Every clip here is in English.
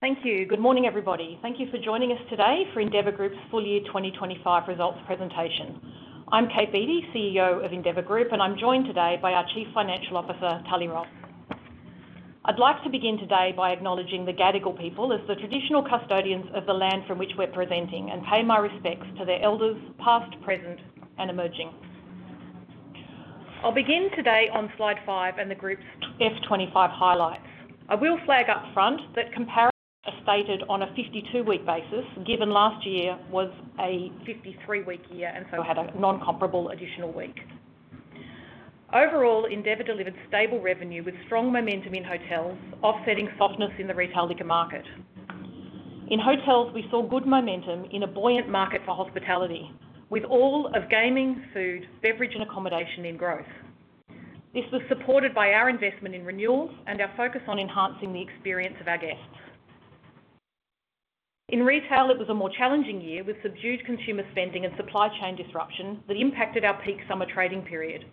Thank you. Good morning everybody. Thank you for joining us today for Endeavour Group's Full Year 2025 results presentation. I'm Kate Beattie, CEO of Endeavour Group, and I'm joined today by our Chief Financial Officer Tali Ross. I'd like to begin today by acknowledging the Gadigal people as the traditional custodians of the land from which we're presenting and pay my respects to their elders, past, present, and emerging. I'll begin today on slide 5 and the Group's F 2025 highlights. I will flag up front that comparisons are stated on a 52-week basis given last year was a 53-week year and so had a non-comparable additional week. Overall, Endeavour delivered stable revenue with strong momentum in hotels, offsetting softness in the retail liquor market. In hotels, we saw good momentum in a buoyant market for hospitality with all of gaming, food, beverage, and accommodation in growth. This was supported by our investment in renewals and our focus on enhancing the experience of our guests. In retail, it was a more challenging year with subdued consumer spending and supply chain disruption that impacted our peak summer trading period.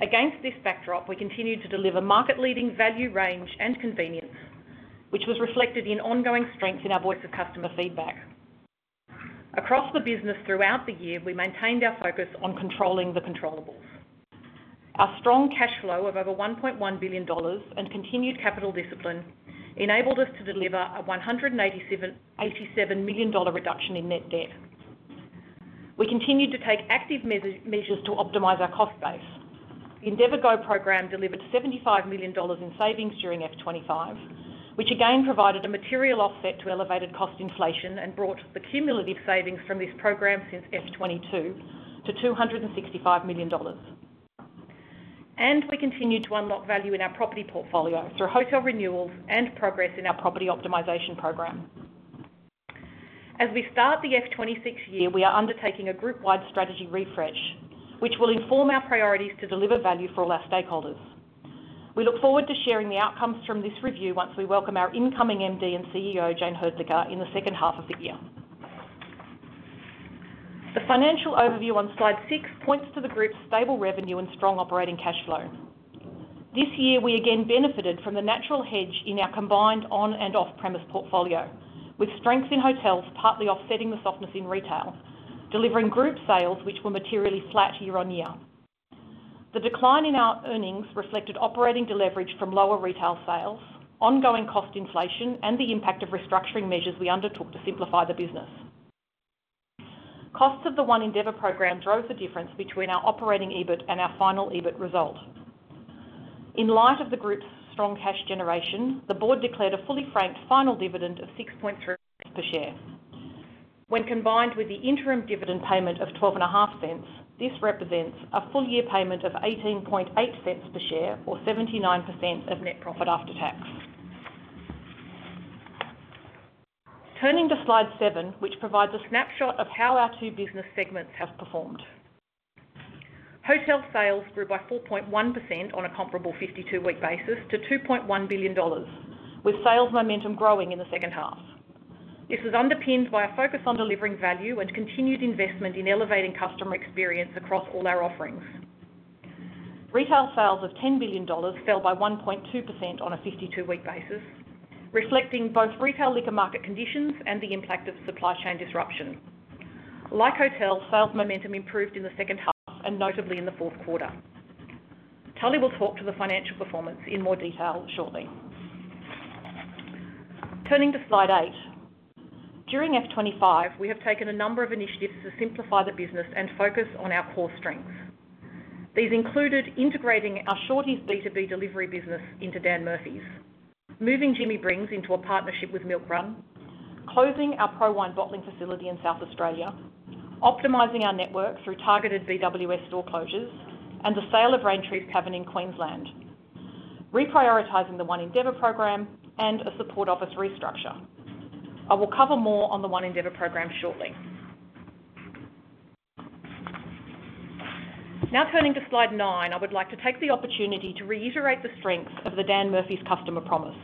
Against this backdrop, we continued to deliver market-leading value, range, and convenience, which was reflected in ongoing strength in our voice of customer feedback across the business. Throughout the year, we maintained our focus on controlling the controllables. Our strong cash flow of over $1.1 billion and continued capital discipline enabled us to deliver a 187 million dollar reduction in net debt. We continued to take active measures to optimize our cost base. The Endeavour GO program delivered 75 million dollars in savings during F 2025, which again provided a material offset to elevated cost inflation and brought the cumulative savings from this program since F 2022 to 265 million dollars. We continue to unlock value in our property portfolio through hotel renewals and progress in our property optimization program. As we start the F 2026 year, we are undertaking a group-wide strategy refresh which will inform our priorities to deliver value for all our stakeholders. We look forward to sharing the outcomes from this review once we welcome our incoming MD and CEOJayne Hrdlicka in the second half of the year. The financial overview on slide six points to the Group's stable revenue and strong operating cash flow. This year we again benefited from the natural hedge in our combined on and off premise portfolio, with strength in hotels partly offsetting the softness in retail, delivering group sales which were materially flat year on year. The decline in our earnings reflected operating deleverage from lower retail sales, ongoing cost inflation, and the impact of restructuring measures we undertook to simplify the business. Costs of the One Endeavour program drove the difference between our operating EBIT and our final EBIT result. In light of the group's strong cash generation, the board declared a fully franked final dividend of 0.063 per share. When combined with the interim dividend payment of 0.125, this represents a full year payment of 0.188 per share or 79% of net profit after tax. Turning to slide seven, which provides a snapshot of how our two business segments have performed, hotel sales grew by 4.1% on a comparable 52-week basis to $2.1 billion, with sales momentum growing in the second half. This was underpinned by a focus on delivering value and continued investment in elevating customer experience across all our offerings. Retail sales of 10 billion dollars fell by 1.2% on a 52-week basis, reflecting both retail liquor market conditions and the impact of supply chain disruption. Like hotel sales, momentum improved in the second half and notably in the fourth quarter. Tali will talk to the financial performance in more detail shortly. Turning to slide eight, during 2025 we have taken a number of initiatives to simplify the business and focus on our core strengths. These included integrating our Shorty's B2B delivery business into Dan Murphy's, moving Jimmy Brings into a partnership with MILKRUN, closing our Pro Wine bottling facility in South Australia, optimizing our network through targeted BWS store closures and the sale of Raintreef Cavern in Queensland, reprioritizing the One Endeavour program, and a support office restructure. I will cover more on the One Endeavour program shortly. Now turning to slide nine, I would like to take the opportunity to reiterate the strength of the Dan Murphy's customer promise.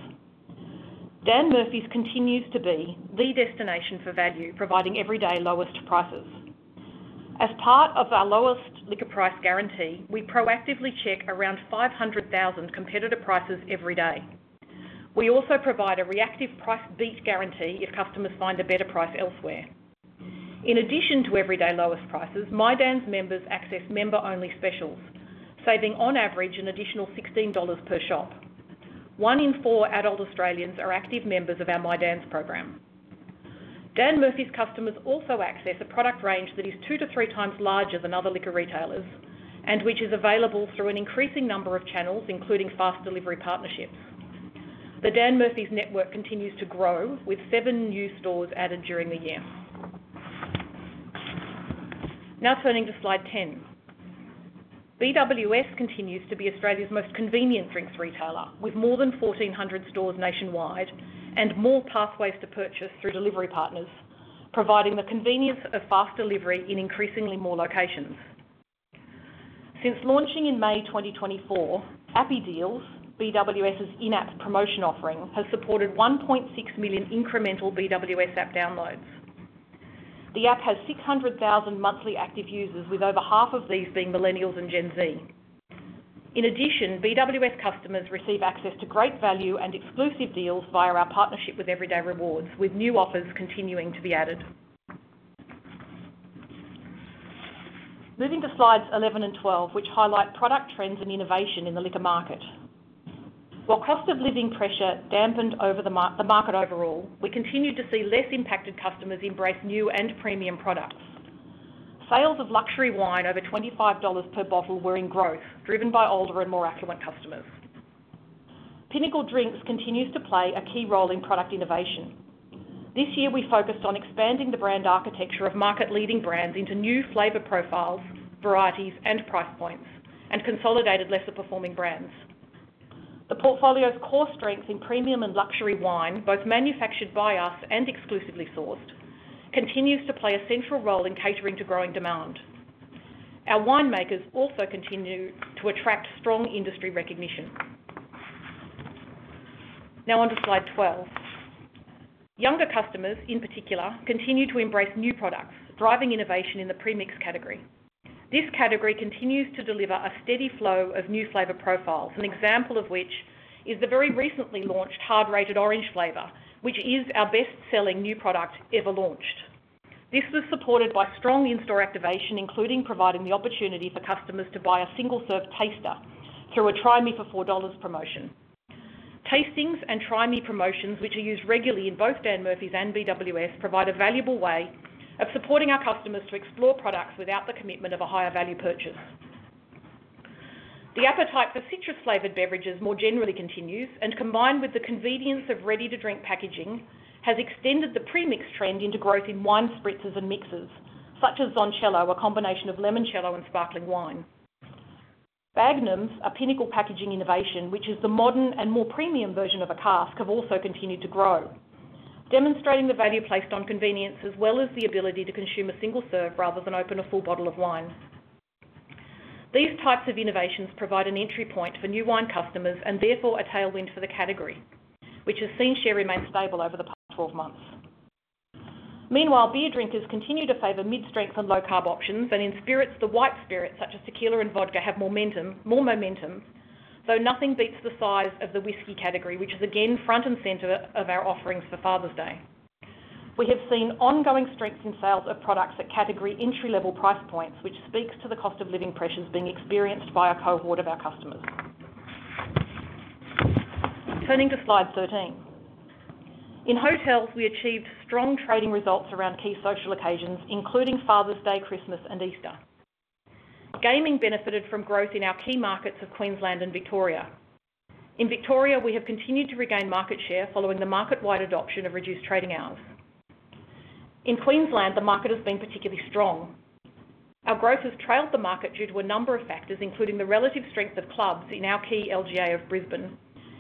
Dan Murphy's continues to be the destination for value, providing everyday lowest prices. As part of our lowest liquor price guarantee, we proactively check around 500,000 competitor prices every day. We also provide a reactive price beat guarantee if customers find a better price elsewhere. In addition to everyday lowest prices, MyDan's members access member-only specials, saving on average an additional 6 dollars per shop. One in four adult Australians are active members of our MyDan's program. Dan Murphy's customers also access a product range that is 2x to 3x larger than other liquor retailers and which is available through an increasing number of channels, including fast delivery partnerships. The Dan Murphy's network continues to grow with seven new stores added during the year. Now turning to Slide 10, BWS continues to be Australia's most convenient drinks retailer with more than 1,400 stores nationwide and more pathways to purchase through delivery partners, providing the convenience of fast delivery in increasingly more locations. Since launching in May 2024, Appy Deals, BWS in-apps promotion offering has supported 1.6 million incremental BWS app downloads. The app has 600,000 monthly active users, with over half of these being Millennials and Gen Z. In addition, BWS customers receive access to great value and exclusive deals via our partnership with Everyday Rewards, with new offers continuing to be added. Moving to Slides 11 and 12, which highlight product trends and innovation in the liquor market. While cost of living pressure dampened the market overall, we continued to see less impacted customers embrace new and premium. Sales of luxury wine over 25 dollars per bottle were in growth. Driven by older and more affluent customers, Pinnacle Drinks continues to play a key role in product innovation. This year we focused on expanding the brand architecture of market-leading brands into new flavor profiles, varieties, and price points and consolidated lesser performing brands. The portfolio's core strengths in premium and luxury wine, both manufactured by us and exclusively sourced, continues to play a central role in catering to growing demand. Our winemakers also continue to attract strong industry recognition. Now on to Slide 12. Younger customers in particular continue to embrace new products, driving innovation in the Premix category. This category continues to deliver a steady flow of new flavor profiles, an example of which is the very recently launched Hard Rated Orange flavor, which is our best selling new product ever launched. This was supported by strong in-store activation, including providing the opportunity for customers to buy a single-serve taster through a Try Me for 4 dollars promotion. Tastings and Try Me promotions, which are used regularly in both Dan Murphy's and BWS, provide a valuable way of supporting our customers to explore products without the commitment of a higher value purchase. The appetite for citrus-flavored beverages more generally continues, and combined with the convenience of ready-to-drink packaging, has extended the premix trend into growth in wine spritzers and mixes such as Zoncello, a combination of limoncello and sparkling wine. Bagnums, a Pinnacle packaging innovation which is the modern and more premium version of a cask, have also continued to grow, demonstrating the value placed on convenience as well as the ability to consume a single serve rather than open a full bottle of wine. These types of innovations provide an entry point for new wine customers and therefore a tailwind for the category, which has seen share remain stable over the past 12 months. Meanwhile, beer drinkers continue to favor mid-strength and low-carb options, and in spirits, the white spirits such as tequila and vodka have more momentum, though nothing beats the size of the whisky category, which is again front and center of our offerings. For Father's Day, we have seen ongoing strength in sales of products at category entry-level price points, which speaks to the cost of living pressures being experienced by a cohort of our customers. Turning to slide 13, in hotels, we achieved strong trading results around key social occasions including Father's Day, Christmas, and Easter. Gaming benefited from growth in our key markets of Queensland and Victoria. In Victoria, we have continued to regain market share following the market-wide adoption of reduced trading hours. In Queensland, the market has been particularly strong. Our growth has trailed the market due to a number of factors, including the relative strength of clubs in our key LGA of Brisbane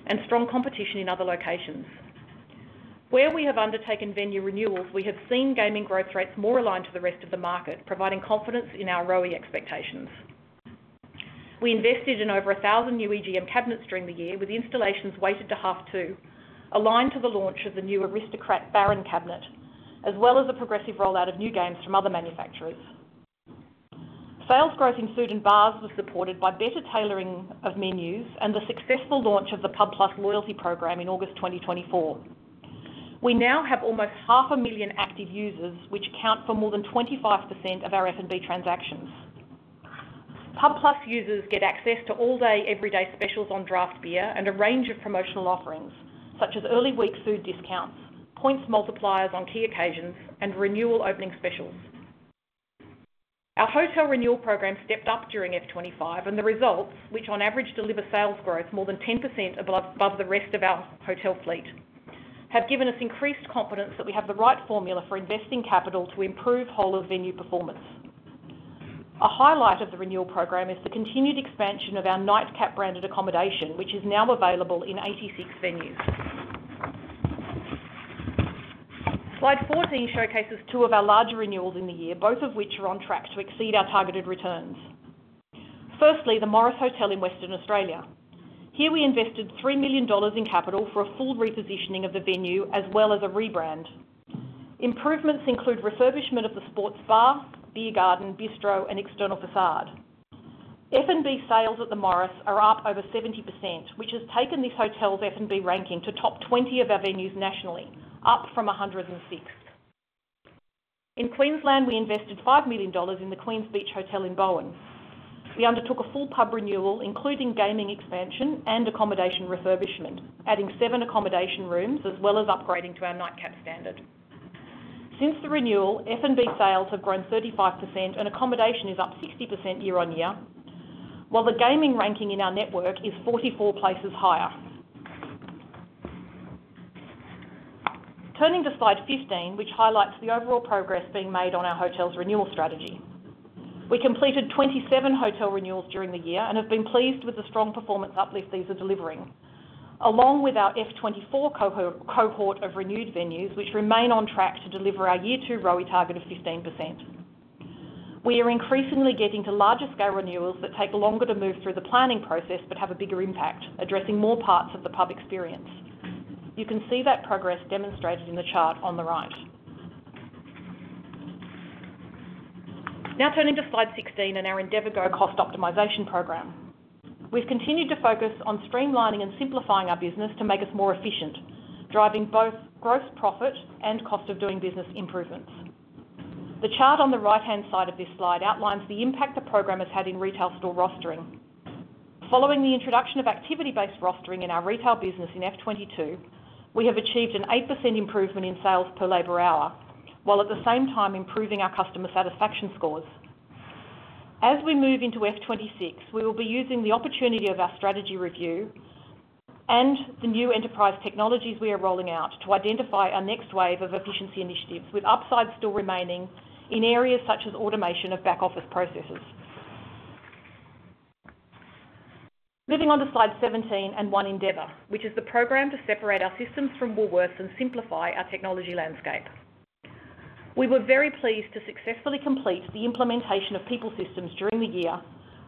and strong competition in other locations where we have undertaken venue renewals. We have seen gaming growth rates more aligned to the rest of the market, providing confidence in our rowie expectations. We invested in over 1,000 new EGM cabinets during the year, with installations weighted to half two, aligned to the launch of the new Aristocrat Baron Cabinet as well as a progressive rollout of new games from other manufacturers. Sales growth in food and bars was supported by better tailoring of menus and the successful launch of the pub+ loyalty program in August 2024. We now have almost half a million active users which account for more than 25% of our F&B transactions. pub+ users get access to all day everyday specials on draft beer and a range of promotional offerings such as early week food discounts, points, multipliers on key occasions, and renewal opening specials. Our hotel renewal program stepped up during F 2025, and the results, which on average deliver sales growth more than 10% above the rest of our hotel fleet, have given us increased confidence that we have the right formula for investing capital to improve whole of venue performance. A highlight of the renewal program is the continued expansion of our Nightcap branded accommodation, which is now available in 86 venues. Slide 14 showcases two of our larger renewals in the year, both of which are on track to exceed our targeted returns. Firstly, the Morris Hotel in Western Australia. Here we invested 3 million dollars in capital for a full repositioning of the venue as well as a rebrand. Improvements include refurbishment of the sports bar, beer garden, bistro, and external facade. F&B sales at the Morris are up over 70%, which has taken this hotel's F&B ranking to top 20 of our venues nationally, up from 106. In Queensland, we invested 5 million dollars in the Queens Beach Hotel in Bowen, we undertook a full pub renewal including gaming expansion and accommodation refurbishment, adding seven accommodation rooms as well as upgrading to our Nightcap standard. Since the renewal, F&B sales have grown 35% and accommodation is up 60% year on year, while the gaming ranking in our network is 44 places higher. Turning to slide 15, which highlights the overall progress being made on our hotels' renewal strategy. We completed 27 hotel renewals during the year and have been pleased with the strong performance uplift these are delivering. Along with our F 2024 cohort of renewed venues, which remain on track to deliver our year two ROI target of 15%. We are increasingly getting to larger scale renewals that take longer to move through the planning process but have a bigger impact addressing more parts of the pub experience. You can see that progress demonstrated in the chart on the right. Now turning to slide 16 and our Endeavour Go cost optimization program. We've continued to focus on streamlining and simplifying our business to make us more efficient, driving both gross profit and cost of doing business improvements. The chart on the right-hand side of this slide outlines the impact the program has had in retail store rostering. Following the introduction of activity-based rostering in our retail business in F 2022, we have achieved an 8% improvement in sales per labor hour while at the same time improving our customer satisfaction scores. As we move into F 2026, we will be using the opportunity of our strategy review and the new enterprise technologies we are rolling out to identify our next wave of efficiency initiatives, with upside still remaining in areas such as automation of back office processes. Moving on to slide 17 and One Endeavour, which is the program to separate our systems from Woolworths and simplify our technology landscape. We were very pleased to successfully complete the implementation of people systems during the year,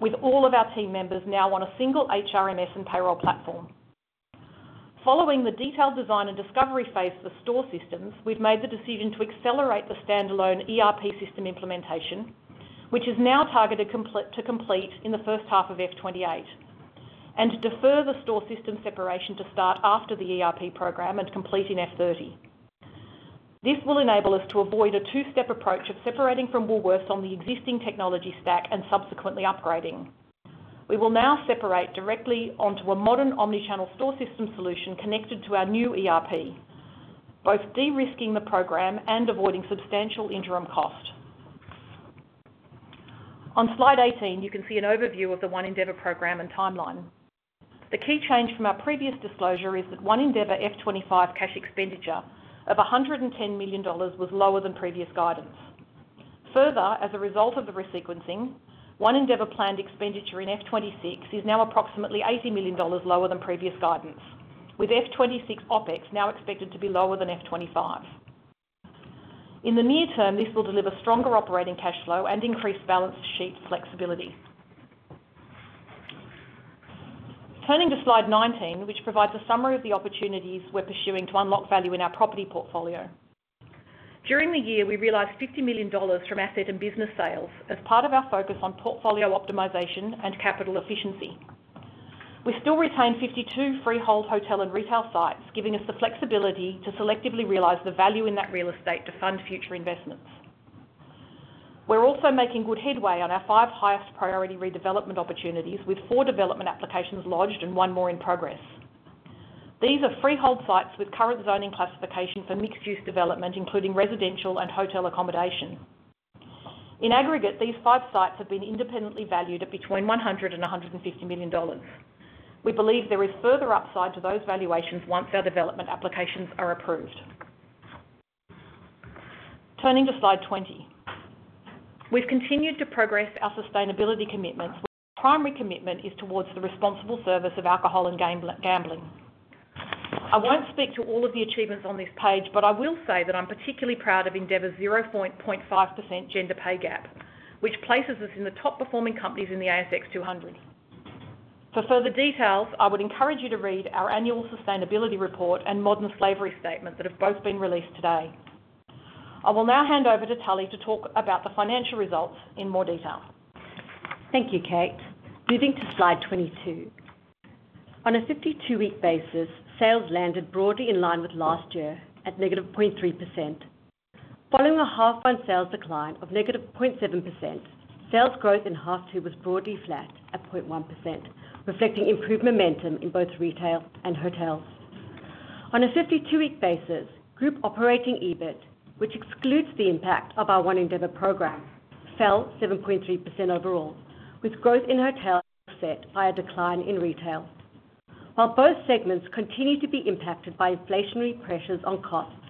with all of our team members now on a single HRMS and payroll platform. Following the detailed design and discovery phase for store systems, we've made the decision to accelerate the standalone ERP system implementation, which is now targeted to complete in the first half of F 2028, and defer the store system separation to start after the ERP program and complete in F 2030. This will enable us to avoid a two-step approach of separating from Woolworths on the existing technology stack and subsequently upgrading. We will now separate directly onto a modern omnichannel store system solution connected to our new ERP, both de-risking the program and avoiding substantial interim costs. On slide 18, you can see an overview of the One Endeavour program and timeline. The key change from our previous disclosure is that One Endeavour F 2025 cash expenditure of 110 million dollars was lower than previous guidance. Further, as a result of the resequencing, One Endeavour planned expenditure in F 2026 is now approximately 80 million dollars lower than previous guidance, with F 2026 OpEx now expected to be lower than F 2025. In the near term, this will deliver stronger operating cash flow and increased balance sheet flexibility. Turning to slide 19, which provides a summary of the opportunities we're pursuing to unlock value in our property portfolio. During the year, we realized 50 million dollars from asset and business sales as part of our focus on portfolio optimization and capital efficiency. We still retain 52 freehold hotel and retail sites, giving us the flexibility to selectively realize the value in that real estate to fund future investment. We're also making good headway on our five highest priority redevelopment opportunities, with four development applications lodged and one more in progress. These are freehold sites with current zoning classification for mixed use development, including residential and hotel accommodation. In aggregate, these five sites have been independently valued at between 100 million dollars and AUD 150 million. We believe there is further upside to those valuations once our development applications are approved. Turning to Slide 20, we've continued to progress our sustainability commitments. Primary commitment is towards the responsible service of alcohol and gambling. I won't speak to all of the achievements on this page, but I will say that I'm particularly proud of Endeavour's 0.5% gender pay gap, which places us in the top performing companies in the ASX 200. For further details, I would encourage you to read our annual sustainability report and Modern Slavery statement that have both been released today. I will now hand over to Tali to talk about the financial results in more detail. Thank you, Kate. Moving to slide 22, on a 52-week basis, sales landed broadly in line with last year at -0.3% following a half one sales decline of -0.7%. Sales growth in half two was broadly flat at 0.1%, reflecting improved momentum in both retail and Hotels. On a 52-week basis, group operating EBIT, which excludes the impact of our One Endeavour program, fell 7.3% overall, with growth in Hotels offset by a decline in retail. While both segments continue to be impacted by inflationary pressures on costs,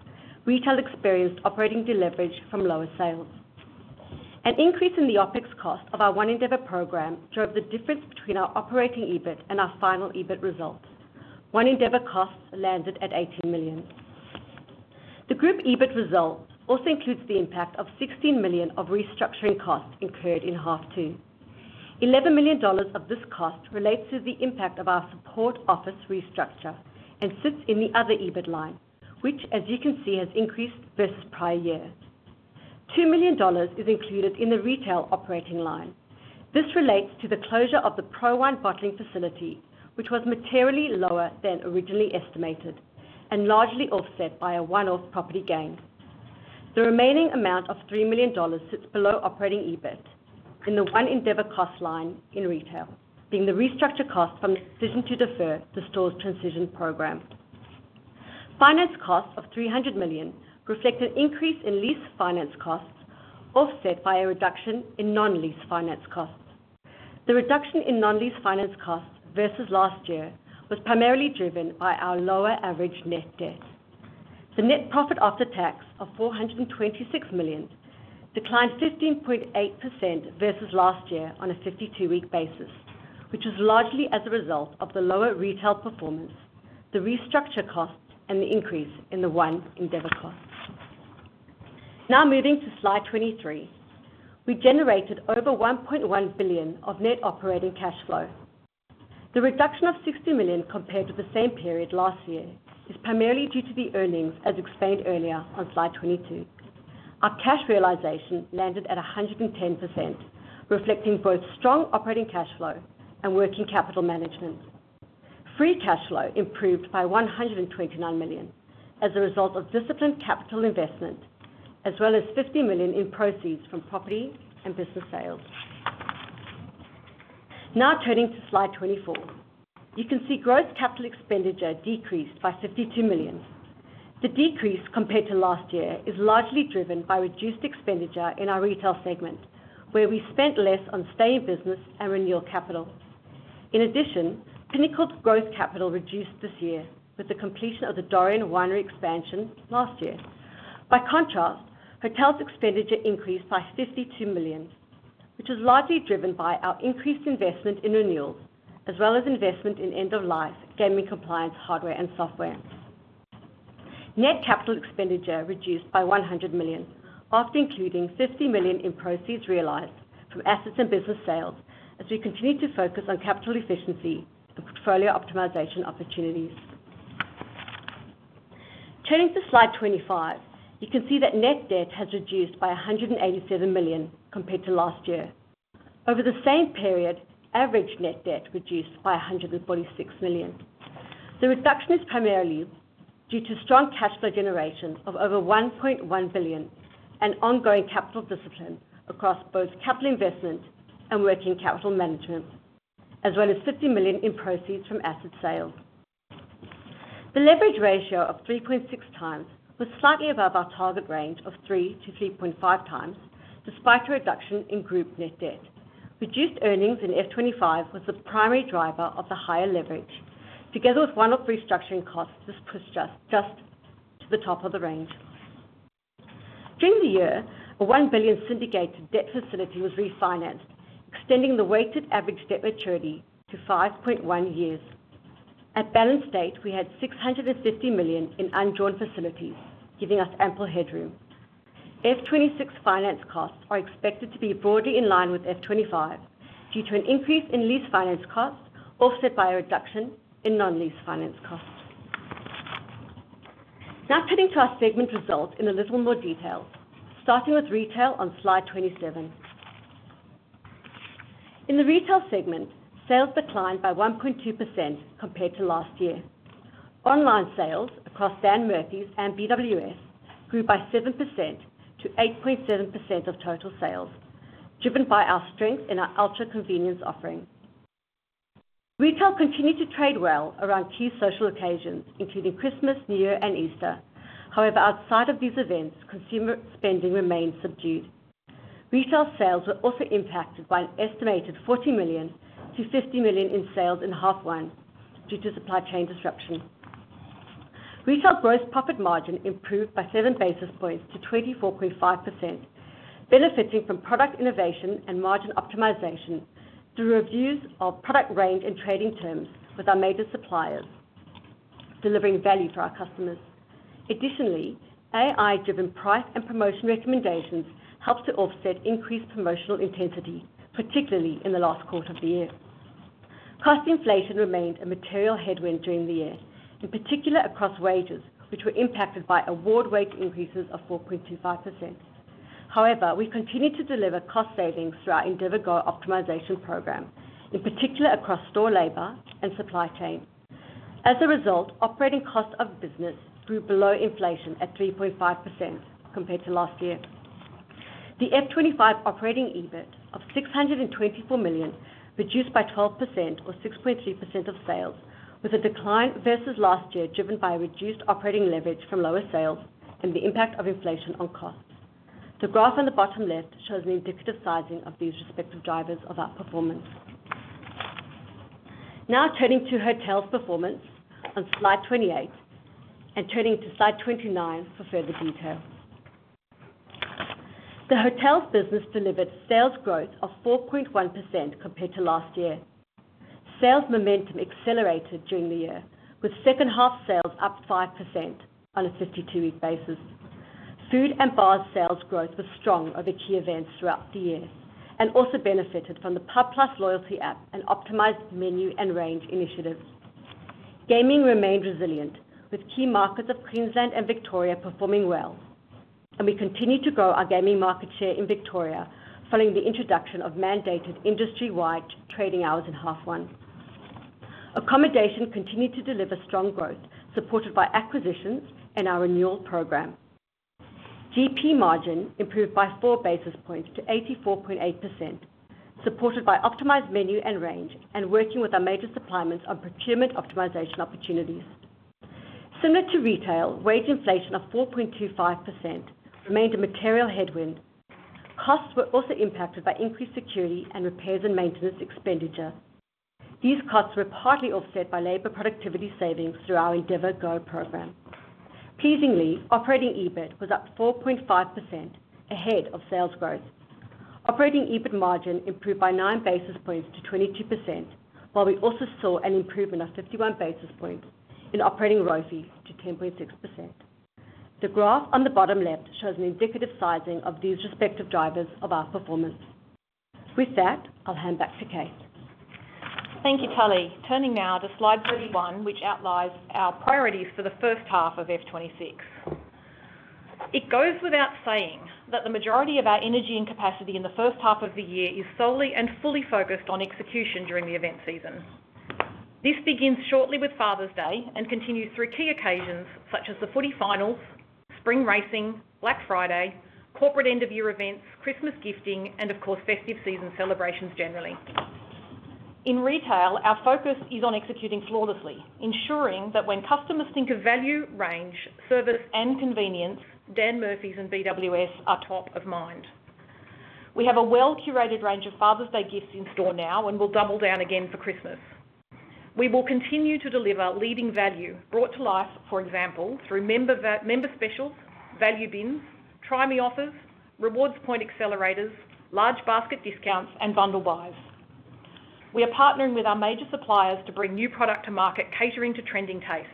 retail experienced operating deleverage from lower sales. An increase in the OpEx cost of our One Endeavour program drove the difference between our operating EBIT and our final EBIT result. One Endeavour cost landed at 18 million. The group EBIT result also includes the impact of 16 million of restructuring cost incurred in half two. 11 million dollars of this cost relates to the impact of our support office restructure and sits in the other EBIT line, which, as you can see, has increased versus prior year. 2 million dollars is included in the retail operating line. This relates to the closure of the Pro Wine bottling facility, which was materially lower than originally estimated and largely offset by a one-off property gain. The remaining amount of 3 million dollars sits below operating EBIT in the One Endeavour cost line in retail, being the restructure cost from the decision to defer the stores transition program. Finance costs of 300 million reflect an increase in lease finance costs offset by a reduction in non-lease finance costs. The reduction in non-lease finance costs versus last year was primarily driven by our lower average net debt. The net profit after tax of 426 million declined 15.8% versus last year on a 52-week basis, which was largely as a result of the lower retail performance, the restructure costs, and the increase in the One Endeavour cost. Now, moving to slide 23, we generated over 1.1 billion of net operating cash flow. The reduction of 60 million compared to the same period last year is primarily due to the earnings as explained earlier on slide 22. Our cash realization landed at 110%, reflecting both strong operating cash flow and working capital management. Free cash flow improved by 129 million as a result of disciplined capital investment as well as 50 million in proceeds from property and business sales. Now, turning to slide 24, you can see gross capital expenditure decreased by 52 million. The decrease compared to last year is largely driven by reduced expenditure in our retail segment, where we spent less on stay-in-business and renewal capital. In addition, Pinnacle's growth capital reduced this year with the completion of the Dorrien Winery expansion last year. By contrast, hotels expenditure increased by 52 million, which is largely driven by our increased investment in renewal as well as investment in end-of-life gaming, compliance hardware, and software. Net capital expenditure reduced by 100 million after including 50 million in proceeds realized from assets and business sales. As we continue to focus on capital efficiency, the portfolio optimization opportunities. Turning to. Slide 25, you can see that net debt has reduced by 187 million compared to last year. Over the same period, average net debt reduced by 146 million. The reduction is primarily due to strong cash flow, generation of over 1.1 billion, and ongoing capital discipline across both capital investment and working capital management, as well as 50 million in proceeds from asset sale. The leverage ratio of 3.6x was slightly above our target range of 3x to 3.5x despite a reduction in group net debt. Reduced earnings in FY 2025 was the primary driver of the higher leverage. Together with one-off restructuring costs, this pushed us just to the top of the range. During the year, a 1 billion syndicated debt facility was refinanced, extending the weighted average debt maturity to 5.1 years. At balance date, we had 650 million in undrawn facilities, giving us ample headroom. FY 2026 finance costs are expected to be broadly in line with FY 2025 due to an increase in lease finance costs offset by a reduction in non-lease finance costs. Now, cutting to our segment results in a little more detail, starting with retail on slide 27. In the retail segment, sales declined by 1.2% compared to last year. Online sales across Dan Murphy's and BWS grew by 7% to 8.7% of total sales, driven by our strength in our ultra convenience offering. Retail continued to trade well around key social occasions including Christmas, New Year, and Easter. However, outside of these events, consumer spending remains subdued. Retail sales were also impacted by an estimated 40 million-50 million in sales in half one due to supply chain disruption. Retail gross profit margin improved by 7 basis points to 24.5%, benefiting from product innovation and margin optimization through reviews of product range and trading terms with our major suppliers, delivering value for our customers. Additionally, AI-driven price and promotion recommendations helped to offset increased promotional intensity, particularly in the last quarter of the year. Cost inflation remained a material headwind during the year, in particular across wages, which were impacted by award wage increases of 4.25%. However, we continue to deliver cost savings through our Endeavour GO optimization program, in particular across store, labor, and supply chain. As a result, operating cost of business grew below inflation at 3.5% compared to last year. The FY 2025 operating EBIT of 624 million reduced by 12% or 6.3% of sales, with a decline versus last year driven by reduced operating leverage from lower sales and the impact of inflation on cost. The graph on the bottom left shows the indicative sizing of these respective drivers of outperformance. Now turning to Hotels performance on slide 28 and turning to slide 29 for further detail. The Hotels business delivered sales growth of 4.1% compared to last year. Sales momentum accelerated during the year, with second half sales up 5% on a 52-week basis. Food and bars sales growth was strong over key events throughout the year and also benefited from the pub+ loyalty app and optimized menu and range initiatives. Gaming remained resilient, with key markets of Queensland and Victoria performing well, and we continue to grow our gaming market share in Victoria following the introduction of mandated industry-wide trading hours in half 1. Accommodation continued to deliver strong growth, supported by acquisitions and our renewal program. GP margin improved by 4 basis points to 84.8%, supported by optimized menu and range and working with our major suppliers on procurement optimization opportunities. Similar to retail, wage inflation of 4.25% remained a material headwind. Costs were also impacted by increased security and repairs and maintenance expenditure. These costs were partly offset by labor productivity savings through our Endeavour GO program. Pleasingly, operating EBIT was up 4.5% ahead of sales growth. Operating EBIT margin improved by 9 basis points to 22%, while we also saw an improvement of 51 basis points in operating ROI to 10.6%. The graph on the bottom left shows an indicative sizing of these respective drivers of our performance. With that, I'll hand back to Kate. Thank you, Tali. Turning now to slide 31, which outlays our priorities for the first half of FY 2026. It goes without saying that the majority of our energy and capacity in the first half of the year is solely and fully focused on execution during the event season. This begins shortly with Father's Day and continues through key occasions such as the footy finals, spring racing, Black Friday, corporate end of year events, Christmas gifting, and of course festive season celebrations. Generally, in retail our focus is on executing flawlessly, ensuring that when customers think of value, range, service, and convenience, Dan Murphy's and BWS are top of mind. We have a well-curated range of Father's Day gifts in store now and will double down again for Christmas. We will continue to deliver leading value brought to life, for example, through member specials, value bins, Try Me offers, rewards, point accelerators, large basket discounts, and bundle buys. We are partnering with our major suppliers to bring new product to market catering to trending tastes.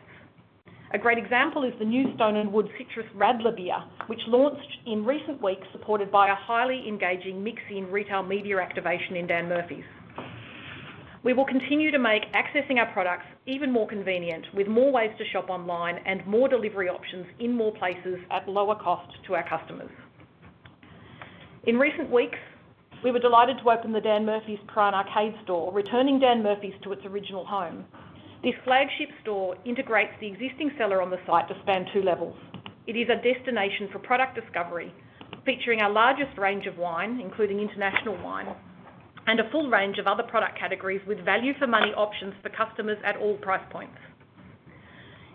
A great example is the new Stone & Wood Citrus Radler Beer, which launched in recent weeks supported by a highly engaging MixIn retail media activation in Dan Murphy's. We will continue to make accessing our products even more convenient with more ways to shop online and more delivery options in more places at lower cost to our customers. In recent weeks, we were delighted to open the Dan Murphy's Prahran Arcade store, returning Dan Murphy's to its original home. This flagship store integrates the existing cellar on the site to span two levels. It is a destination for product discovery, featuring our largest range of wine, including international wine and a full range of other product categories with value for money options for customers at all price points.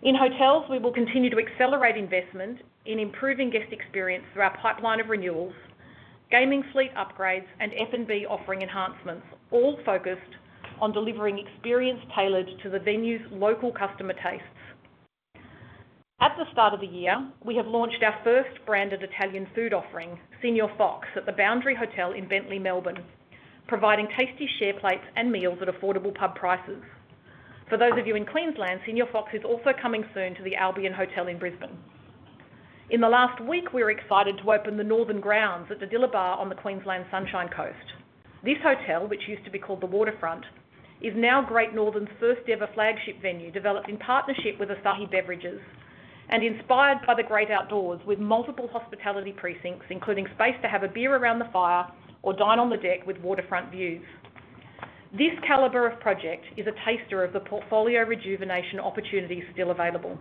In hotels, we will continue to accelerate investment in improving guest experience through our pipeline of renewals, gaming, fleet upgrades, and F&B offering enhancements, all focused on delivering experience tailored to the venue's local customer tastes. At the start of the year, we have launched our first branded Italian food offering, Signor Fox, at the Boundary Hotel in Bentleigh, Melbourne, providing tasty share plates and meals at affordable pub prices. For those of you in Queensland, Signor Fox is also coming soon to the Albion Hotel in Brisbane. In the last week, we were excited to open the Northern Grounds at the Diddillibah on the Queensland Sunshine Coast. This hotel, which used to be called the Waterfront, is now Great Northern's first ever flagship venue, developed in partnership with Asahi Beverages and inspired by the great outdoors. With multiple hospitality precincts, including space to have a beer around the fire or dine on the deck with waterfront views, this caliber of project is a taster of the portfolio rejuvenation opportunities still available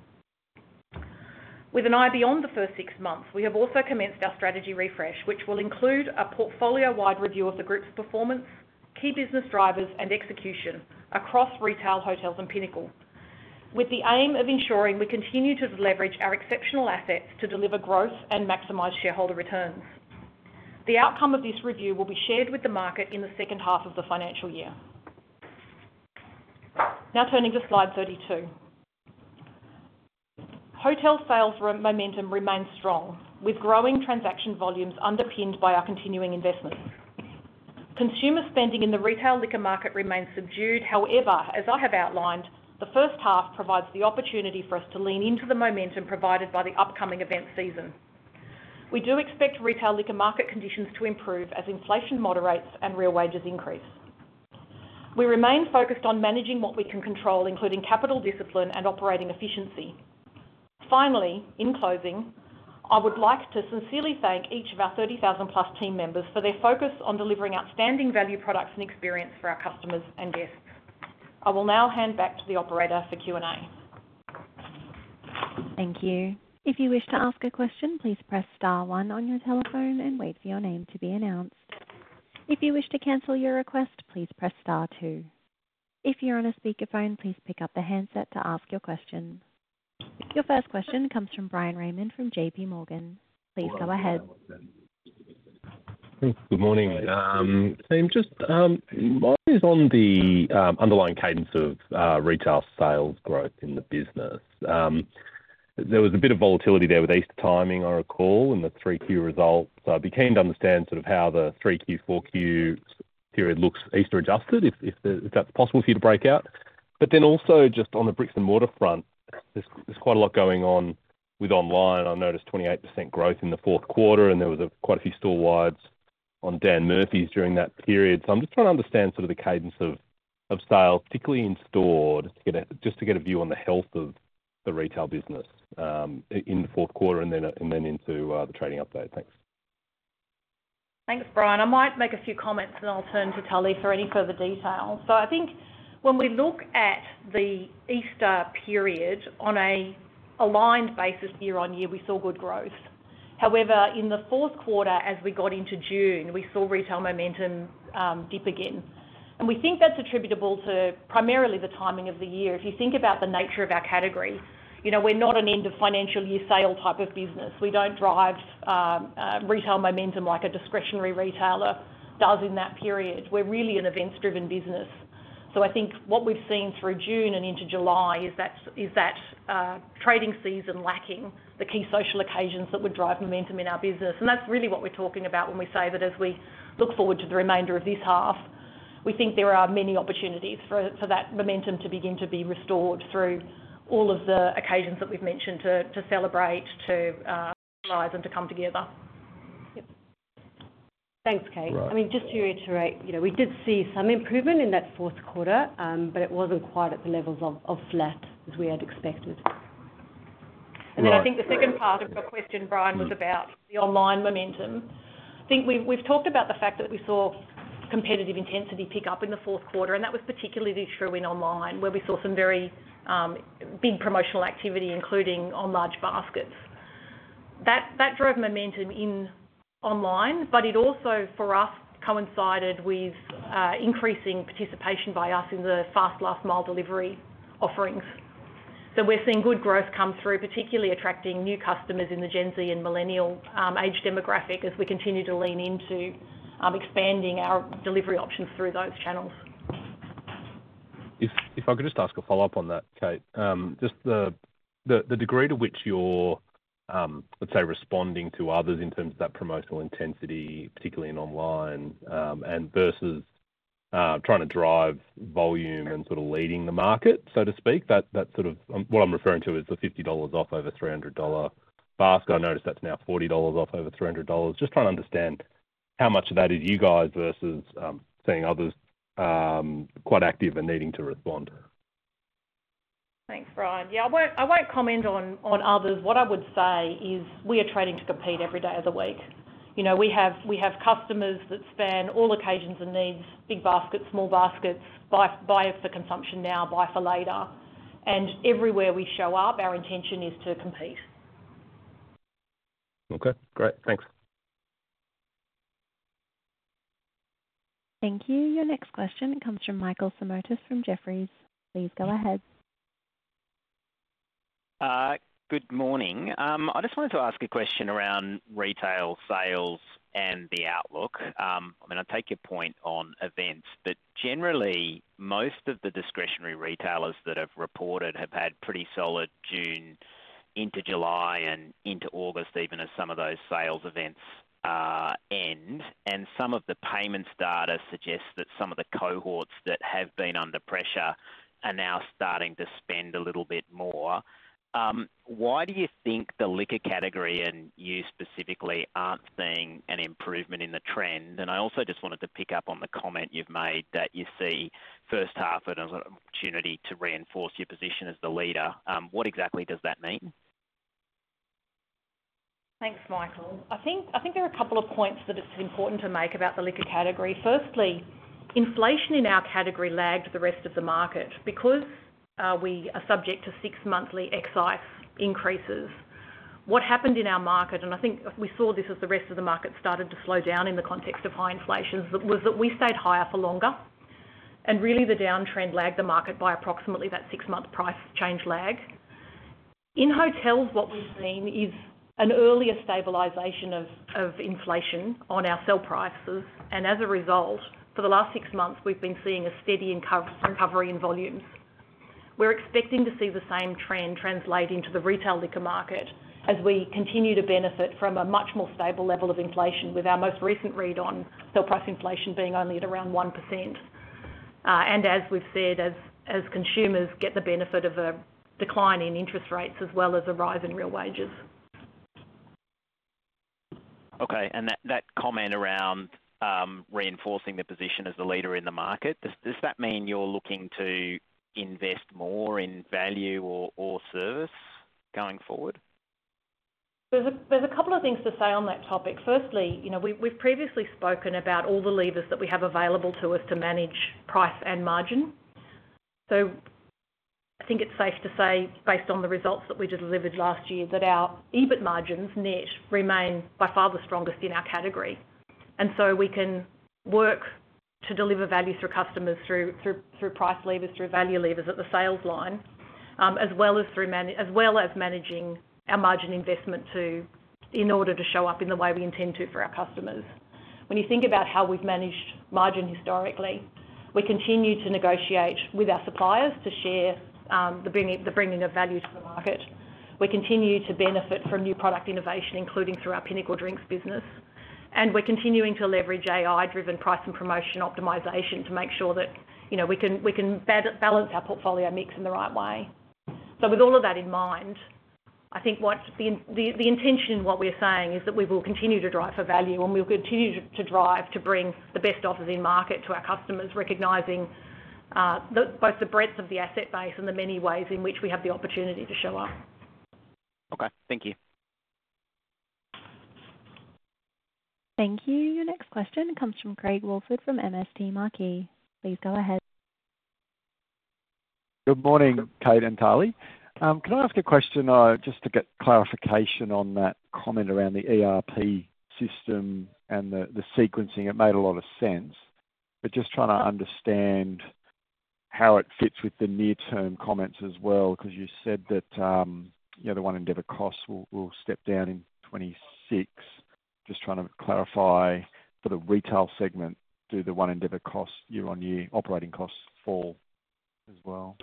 with an eye beyond the first six months. We have also commenced our strategy refresh, which will include a portfolio-wide review of the group's performance, key business drivers, and execution across retail, hotels, and Pinnacle, with the aim of ensuring we continue to leverage our exceptional assets to deliver growth and maximize shareholder returns. The outcome of this review will be shared with the market in the second half of the financial year. Now turning to slide 32, hotel sales momentum remains strong with growing transaction volumes underpinned by our continuing investment. Consumer spending in the retail liquor market remains subdued. However, as I have outlined, the first half provides the opportunity for us to lean into the momentum provided by the upcoming event season. We do expect retail liquor market conditions to improve as inflation moderates and real wages increase. We remain focused on managing what we can control, including capital discipline and operating efficiency. Finally, in closing, I would like to sincerely thank each of our 30,000+ team members for their focus on delivering outstanding value, products, and experience for our customers and guests. I will now hand back to the operator for Q and A. Thank you. If you wish to ask a question, please press Star one on your telephone and wait for your name to be announced. If you wish to cancel your request. Please press Star two. If you're on a speakerphone, please pick up the handset to ask your question. Your first question comes from Brian Raymond from JPMorgan. Please go ahead. Good morning team. Just on the underlying cadence of retail sales growth in the business, there was a bit of volatility there with Easter timing, I recall, and the 3Q result. I'd be keen to understand how the 3Q 4Q period looks Easter adjusted, if that's possible for you to break out. Also, just on the bricks and mortar front, there's quite a lot going on with online. I noticed 28% growth in the fourth quarter and there were quite a few store wides on Dan Murphy's during that period. I'm just trying to understand the cadence of sales, particularly in store, to get a view on the health of the retail business in the fourth quarter and then into the trading update. Thanks. Thanks, Brian. I might make a few comments, and I'll turn to Tali for any further details. I think when we look at the Easter period on an aligned basis, year on year, we saw good growth. However, in the fourth quarter, as we got into June, we saw retail momentum dip again, and we think that's attributable primarily to the timing of the year. If you think about the nature of our category, you know, we're not an end of financial year sale type of business. We don't drive retail momentum like a discretionary reason retailer does in that period. We're really an events-driven business. What we've seen through June and into July is that trading season lacking the key social occasions that would drive momentum in our business. That's really what we're talking about when we say that as we look forward to the remainder of this half, we think there are many opportunities for that momentum to begin to be restored through all of the occasions that we've mentioned, to celebrate and to come together. Thanks, Kate. I mean, just to reiterate, we did see some improvement in that. Fourth quarter, it wasn't quite at. The levels are flat as we had expected. I think the second part of your question, Brian, was about the online momentum. I think we've talked about the fact that we saw competitive intensity pick up in the fourth quarter, and that was particularly true in online where we saw some very big promotional activity, including on large baskets that drove momentum in online. It also for us coincided with increasing participation by us in the fast last mile delivery offerings. We're seeing good growth come through, particularly attracting new customers in the Gen Z and millennial age demographic as we continue to lean into expanding our delivery options through those channels. If I could just ask a follow up on that, Kate, the degree to which you're, let's say, responding to others in terms of that promotional intensity, particularly in online versus trying to drive volume and sort of leading the market, so to speak. What I'm referring to is the 50 dollars off over 300 dollar basket. I noticed that's now 40 dollars off over 300 dollars. Just trying to understand how much of that is you guys versus seeing others quite active and needing to respond. Thanks, Brian. I won't comment on others. What I would say is we are trading to compete every day of the week. We have customers that span all occasions and needs. Big baskets, small baskets, buy for consumption now, buy for later, and everywhere we show up, our intention is to compete. Okay, great. Thanks. Thank you. Your next question comes from Michael Simotas from Jefferies. Please go ahead. Good morning. I just wanted to ask a question around retail sales and the outlook. I mean, I take your point on events, but generally most of the discretionary retailers that have reported have had pretty solid June into July and into August, even as some of those sales events end. Some of the payments data suggests that some of the cohorts that have been under pressure are now starting to spend a little bit more. Why do you think the liquor category and you specifically aren't seeing an improvement in the trend, and I also just wanted to pick up on the comment you've made that you see first half as an opportunity to reinforce your position as the leader. What exactly does that mean? Thanks, Michael. I think there are a couple of points that it's important to make about the liquor category. Firstly, inflation in our category lagged the rest of the market because we are subject to six-monthly excise increases. What happened in our market, and I think we saw this as the rest of the market started to slow down in the context of high inflation, was that we stayed higher for longer and really the downtrend lagged the market by approximately that six-month price change lag in hotels. What we've seen is an earlier stabilisation of inflation on our sell prices. As a result, for the last six months we've been seeing a steady recovery in volumes. We're expecting to see the same trend translate into the retail liquor market as we continue to benefit from a much more stable level of inflation with our most recent read on sale price inflation being only at around 1%. As we've said, as consumers get the benefit of a decline in interest rates as well as a rise in real wages. Okay. That comment around reinforcing the position as the leader in the market, does that mean you're looking to invest more in value or service going forward? There's a couple of things to say on that topic. Firstly, we've previously spoken about all the levers that we have available to us to manage price and margin. I think it's safe to say based on the results that we delivered last year, that our EBIT margins net remain by far the strongest in our category. We can work to deliver value through customers, through price levers, through value levers at the sales line, as well as managing our margin investment in order to show up in the way we intend to for our customers. When you think about how we've managed margin historically, we continue to negotiate with our suppliers to share the bringing of value to the market. We continue to benefit from new product innovation, including through our Pinnacle Drinks business. We're continuing to leverage AI driven price and promotion optimization to make sure that we can better balance our portfolio mix in the right way. With all of that in mind, I think what the intention in what we're saying is that we will continue to drive for value and we'll continue to drive to bring the best offers in market to our customers, recognizing both the breadth of the asset base and the many ways in which we have the opportunity to show up. Okay, thank you. Thank you. Your next question comes from Craig Woolford from MST Marquee. Please go ahead. Good morning, Kate and Tali. Can I ask a question just to get clarification on that comment around the ERP system and the sequencing? It made a lot of sense, just trying to understand how it fits with the near term comments as well. You said that the One Endeavour costs will step down in 2026. Just trying to clarify, for the retail segment, do the One Endeavour year on year operating costs fall as well?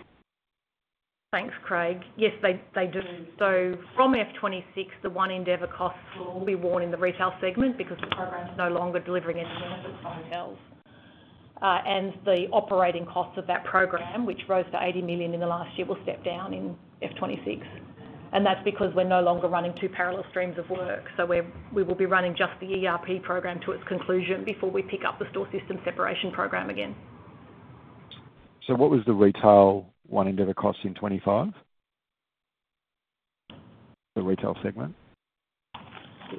Thanks, Craig. Yes, they do. From FY 2026, the one Endeavour costs will all be worn in the retail segment because it's no longer delivering any benefits to hotels. The operating costs of that program, which rose to 80 million in the last year, will step down in F 2026. That's because we're no longer running two parallel streams of work. We will be running just the ERP program to its conclusion before we pick up the store system separation program again. What was the retail One Endeavour cost in 2025? The retail segment, I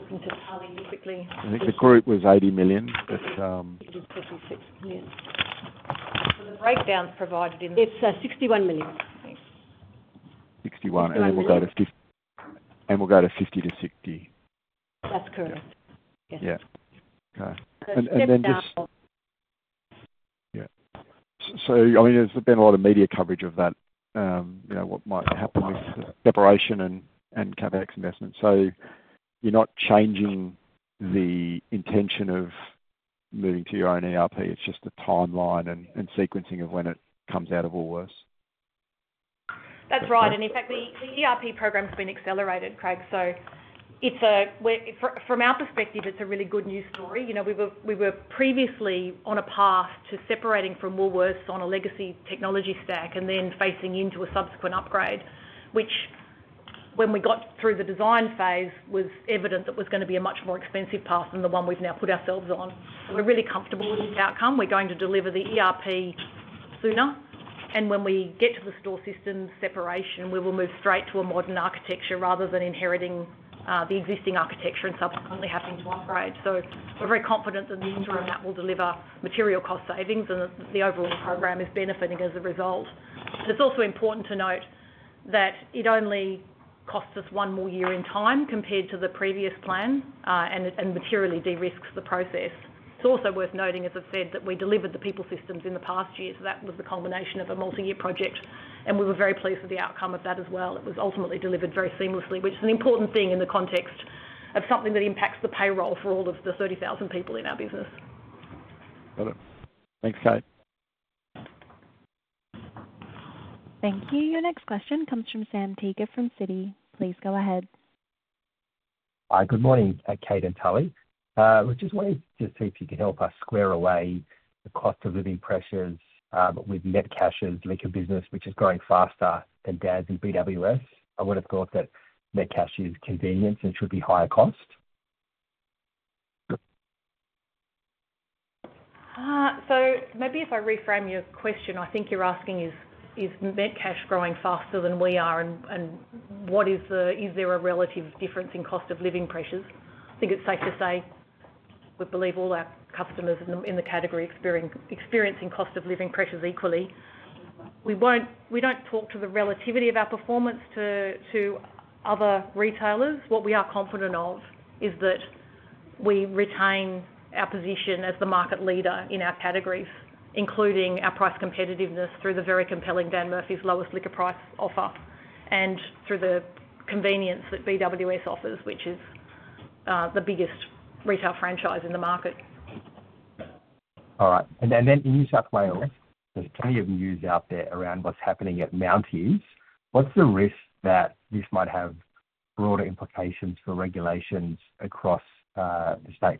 think the correct was 80 million. That's. The breakdown provided in it's 61 million. 61. We'll go to 50 to 60. That's correct, yes. Yeah. Okay. There's been a lot of media coverage of that, what might happen with separation and CapEx investment. You're not changing the intention of moving to your own ERP, it's just the timeline and sequencing of when it comes out of Woolworths. That's right. In fact, the ERP program's been accelerated, Craig. From our perspective, it's a really good news story. We were previously on a path to separating from Woolworths on a legacy technology stack and then facing into a subsequent upgrade, which, when we got through the design phase, was evident that was going to be a much more expensive path than the one we've now put ourselves on. We're really comfortable with this outcome. We're going to deliver the ERP sooner, and when we get to the store system separation, we will move straight to a modern architecture rather than inheriting the existing architecture and subsequently having to upgrade. We're very confident in the interim that will deliver material cost savings, and the overall hub RAM is benefiting as a result. It's also important to note that it only costs us one more year in time compared to the previous plan and materially de-risks the process. It's also worth noting, as I've said, that we delivered the people systems in the past year. That was the culmination of a multi-year project, and we were very pleased with the outcome of that as well. It was ultimately delivered very seamlessly, which is an important thing in the context of something that impacts the payroll for all of the 30,000 people in our business. Got it. Thanks, Kate. Thank you. Your next question comes from Sam Tegeer from Citi. Please go ahead. Hi, good morning, Kate and Tali. We just wanted to see if you could help us square away the cost of living pressures with Endeavour Group's liquor business, which is growing faster than Dan Murphy's and BWS. I would have thought that convenience is convenient and should be higher cost. If I reframe your question, I think you're asking is, is Net Cash growing faster than we are and what is the relative difference in cost of living pressures? I think it's safe to say we believe all our customers in the category are experiencing cost of living pressures equally. We don't talk to the relativity of our performance to other retailers. What we are confident of is that we retain our position as the market leader in our categories, including our price competitiveness, through the very compelling Dan Murphy's lowest liquor price offer and through the convenience that BWS offers, which is the biggest retail franchise in the market. All right, in New South Wales, there's plenty of news out there around what's happening at Mount Hughes. What's the risk that this might have broader implications for regulations across the state?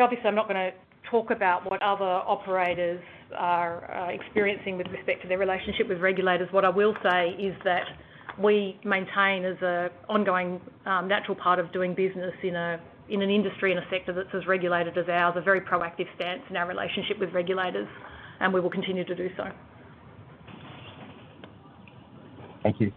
Obviously, I'm not going to talk about what other operators are experiencing with respect to their relationship with regulators. What I will say is that we maintain, as an ongoing natural part of doing business in an industry, in a sector that's as regulated as ours, a very proactive stance in our relationship with regulators, and we will continue to do so. Thank you.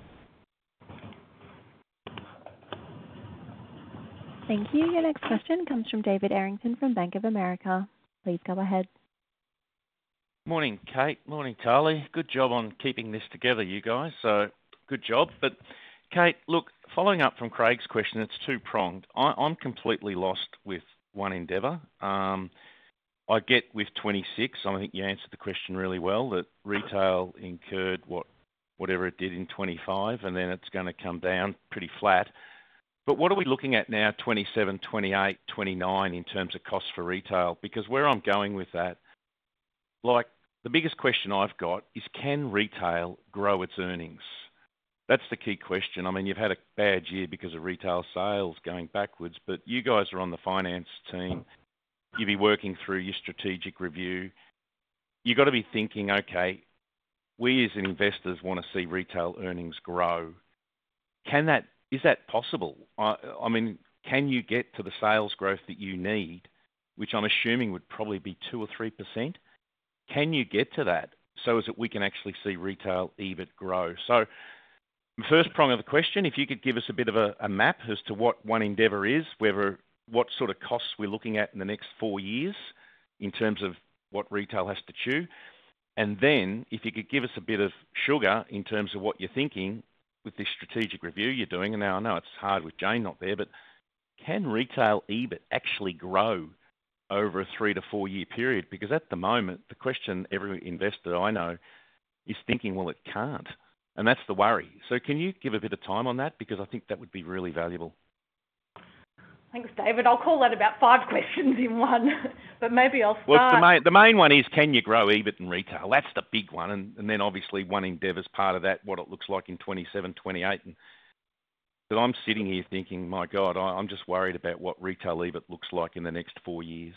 Thank you. Your next question comes from David Errington from Bank of America. Please go ahead. Morning, Kate. Morning, Tali. Good job on keeping this together, you guys. Good job. Kate, following up from Craig's question, it's two pronged. I'm completely lost with one endeavour. I get with 2026, and I think you answered the question really well that retail incurred what, whatever it did in 2025 and then it's going to come down pretty flat. What are we looking at now, 2027, 2028, 2029 in terms of cost for retail? Where I'm going with that, the biggest question I've got is can retail grow its earnings? That's the key question. You've had a bad year because of retail sales going backwards, but you guys are on the finance team, you'd be working through your strategic review. You gotta be thinking, okay, we as investors want to see retail earnings grow. Can that, is that possible? Can you get to the sales growth that you need, which I'm assuming would probably be 2% or 3%? Can you get to that so as we can actually see retail EBIT grow? First prong of the question, if you could give us a bit of a map as to what One Endeavour is, what sort of costs we're looking at in the next four years in terms of what retail has to chew, and if you could give us a bit of sugar in terms of what you're thinking with this strategic review you're doing. I know it's hard with Jane not there, but can retail EBIT actually grow over a three to four year period? At the moment the question every investor I know is thinking, it can't. That's the worry. Can you give a bit of time on that, because I think that would be really valuable. Thanks, David. I'll call that about five questions in one, but maybe I'll start. The main one is can you grow EBIT in retail? That's the big one. Obviously, One Endeavour's part of that, what it looks like in 2027, 2028. I'm sitting here thinking, my God, I'm just worried about what retail EBIT looks like in the next four years.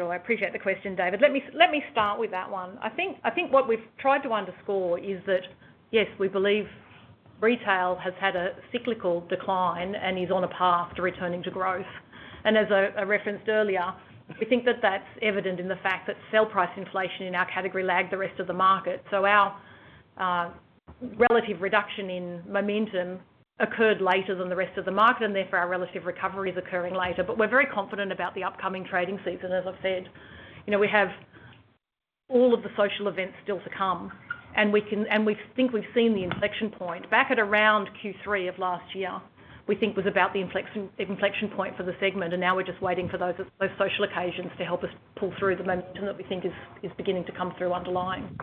I appreciate the question, David. Let me start with that one. I think what we've tried to underscore is that, yes, we believe retail has had a cyclical decline and is on a path to returning to growth. As I referenced earlier, we think that that's evident in the fact that sell price inflation in our category lagged the rest of the market. Our relative reduction in momentum occurred later than the rest of the market, and therefore our relative recovery is occurring later. We're very confident about the upcoming trading season. As I've said, we have all of the social events still to come, and we think we've seen the inflection point back at around Q3 of last year. We think that was about the inflection point for the segment, and now we're just waiting for those social occasions to help us pull through the momentum that we think is beginning to come through underlying.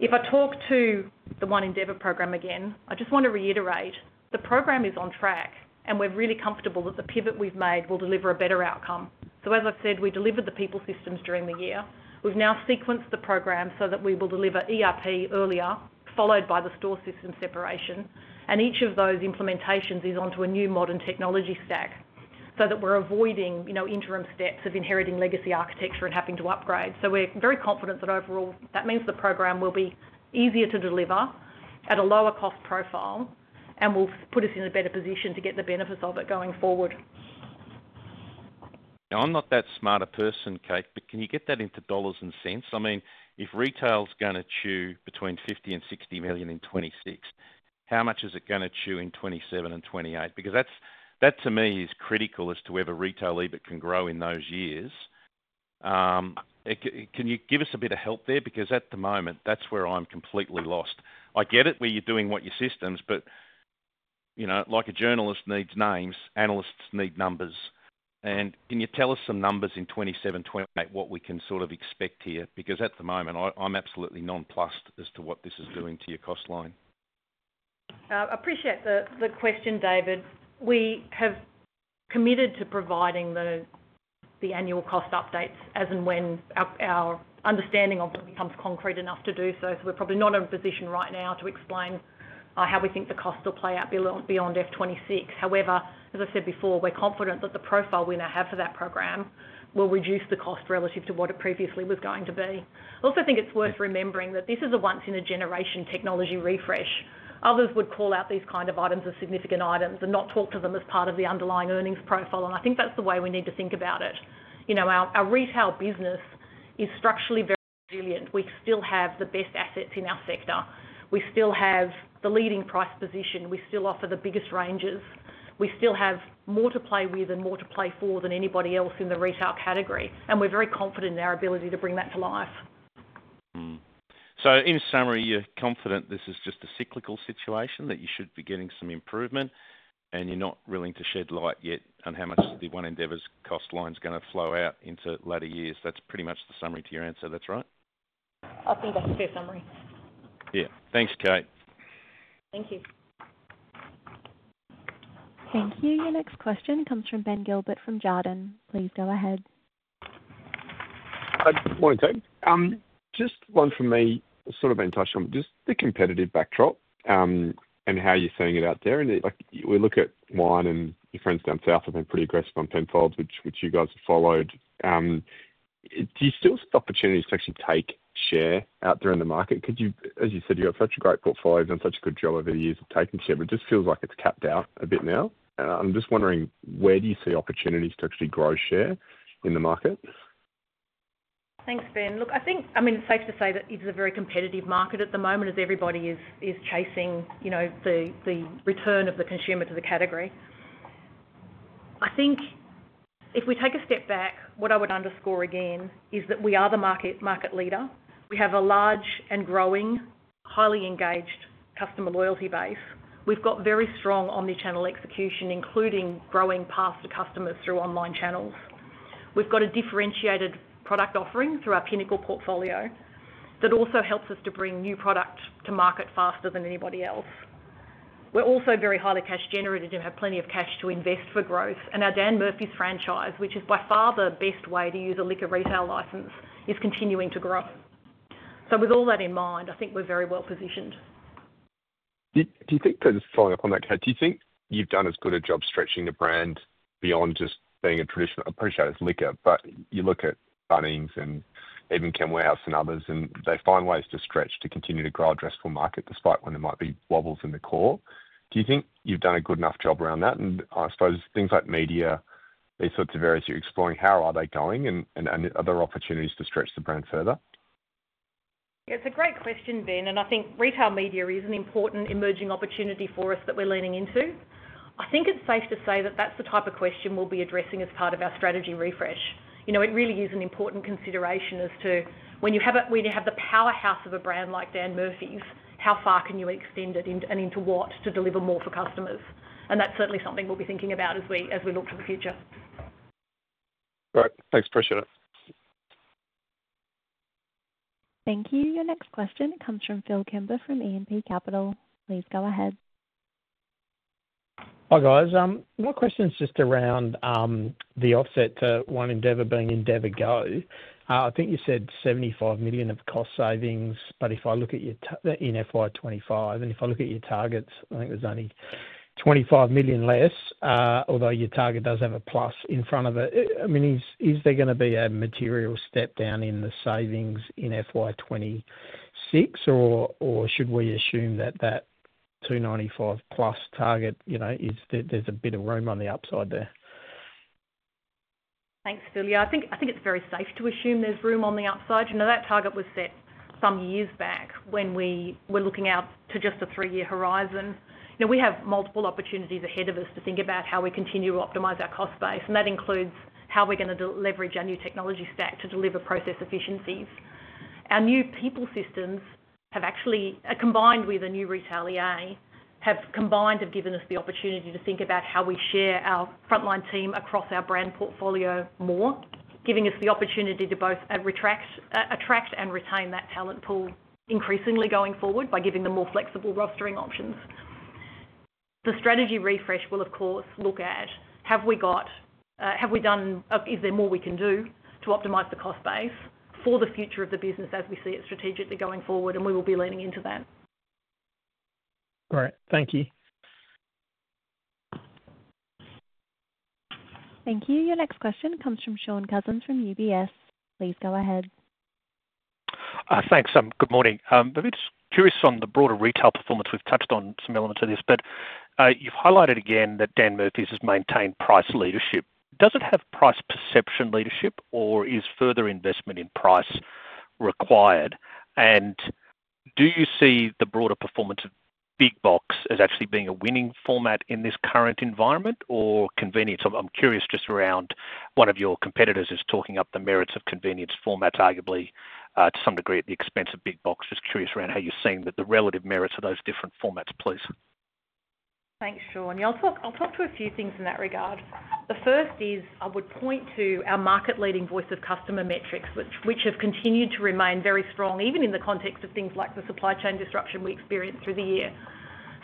If I talk to the One Endeavour program again, I just want to reiterate, the program is on track and we're really comfortable that the pivot we've made will deliver a better outcome. As I've said, we delivered the people systems during the year. We've now sequenced the program so that we will deliver ERP earlier, followed by the store system separation. Each of those implementations is onto a new modern technology stack so that we're avoiding interim steps of inheriting legacy architecture and having to upgrade. We're very confident that overall that means the program will be easier to deliver at a lower cost profile and will put us in a better position to get the benefits of it going forward. Now, I'm not that smart a person, Kate, but can you get that into dollars and cents? I mean, if retail's going to chew between 50 million-60 million in 2026, how much is it going to chew in 2027 and 2028? That to me is critical as to whether retail EBIT can grow in those years. Can you give us a bit of help there? At the moment that's where I'm completely lost. I get it where you're doing what your systems. You know, like a journalist needs names, analysts need numbers. Can you tell us some numbers in 2027, 2028, what we can sort of expect here? At the moment I'm absolutely nonplussed as to what this is doing to your cost line. I appreciate the question, David. We have committed to providing the annual cost updates as and when our understanding of becomes concrete enough to do so. We're probably not in a position right now to explain how we think the cost will play out beyond F 2026. However, as I said before, we're confident that the profile we now have for that program will reduce the cost relative to what it previously was going to be. I also think it's worth remembering that this is a once-in-a-generation technology refresh. Others would call out these kind of items as significant items and not talk to them as part of the underlying earnings profile. I think that's the way we need to think about it. You know, our retail business is structurally very resilient. We still have the best assets in our sector. We still have the leading price position, we still offer the biggest ranges. We still have more to play with and more to play for than anybody else in the retail category. We're very confident in our ability to bring that to life. In summary, you're confident this is just a cyclical situation, that you should be getting some improvement and you're not willing to shed light yet on how much the One Endeavour's cost line is going to flow out into latter years. That's pretty much the summary to your answer. That's right. I think that's your summary. Yeah, thanks, Kate. Thank you. Thank you. Your next question comes from Ben Gilbert from Jardine. Please go ahead. Morning, Kate. Just one for me. The competitive backdrop and how you're seeing it out there, and we look at wine and your friends down south have been pretty aggressive on tenfold, which you guys have followed. Do you still see opportunities to actually take share out there in the market? You have such a great portfolio, done such a good job over the years of taking share, but it just feels like it's capped out a bit now. I'm just wondering where do you see opportunities to actually grow share in the market? Thanks, Ben. I think it's safe to say that it's a very competitive market at the moment as everybody is chasing the return of the consumer to the category. If we take a step back, what I would underscore again is that we are the market leader. We have a large and growing, highly engaged customer loyalty base. We've got very strong omnichannel execution, including growing path to customers through online channels. We've got a differentiated product offering through our Pinnacle Drinks portfolio that also helps us to bring new product to market faster than anybody else. We're also very highly cash generated and have plenty of cash to invest for growth. Our Dan Murphy's franchise, which is by far the best way to use a liquor retail license, is continuing to grow. With all that in mind, I think we're very well positioned. Do you think that following up on that, do you think you've done as good a job stretching the brand beyond just being a traditional appreciator as liquor? You look at Bunnings and even Kmart Warehouse and others, and they find ways to stretch to continue to grow addressable market despite when there might be wobbles in the core. Do you think you've done a good enough job around that? I suppose things like media, these sorts of areas you're exploring, how are they going and other opportunities to stretch the brand further. It's a great question, Ben. I think retail media is an important emerging opportunity for us that we're leaning into. I think it's safe to say that's the type of question we'll be addressing as part of our strategy refresh. It really is an important consideration as to when you have the powerhouse of a brand like Dan Murphy's, how far can you extend it and into what to deliver more for customers. That's certainly something we'll be thinking about as we look to the future. Great, thanks. Appreciate it. Thank you. Your next question comes from Phil Kember from E&P Capital. Please go ahead. Hi guys. My question is just around the offset to One Endeavour being Endeavour Go. I think you said 75 million of cost savings, but if I look at your FY 2025 and if I look at your target, I think there's only 25 million less. Although your target does have a plus in front of it. I mean, is there going to be a material step down in the savings in FY 2026 or should we assume that that 295+ million target, you know, there's a bit of room on the upside there. Thanks, Phil. I think it's very safe to assume there's room on the upside. That target was set some years back when we were looking out to just a three year horizon. Now we have multiple opportunities ahead of us to think about how we continue to optimize our cost base, and that includes how we're going to leverage our new technology stack to deliver process efficiencies. Our new people systems have actually combined with a new retail EA, have given us the opportunity to think about how we share our frontline team across our brand portfolio more, giving us the opportunity to both attract and retain that talent pool increasingly going forward by giving them more flexible rostering options. The strategy refresh will of course look at have we got, have we done, is there more we can do to optimize the cost base for the future of the business as we see it strategically going forward? We will be leaning into that. Great, thank you. Thank you. Your next question comes from Sean Cousins from UBS. Please go ahead. Thanks. Good morning. Maybe just curious on the broader retail performance. We've touched on some elements of this, but you've highlighted again that Dan Murphy's has maintained price leadership. Does it have price perception leadership, or is further investment in price required? Do you see the broader performance of big box as actually being a winning format in this current environment or convenience? I'm curious just around one of your competitors is talking up the merits of convenience formats, arguably to some degree at the expense of big box. Just curious around how you're seeing the relative merits of those different formats, please. Thanks, Sean. I'll talk to a few things in that regard. The first is I would point to our market-leading voice of customer metrics, which have continued to remain very strong even in the context of things like the supply chain disruption we experienced through the year.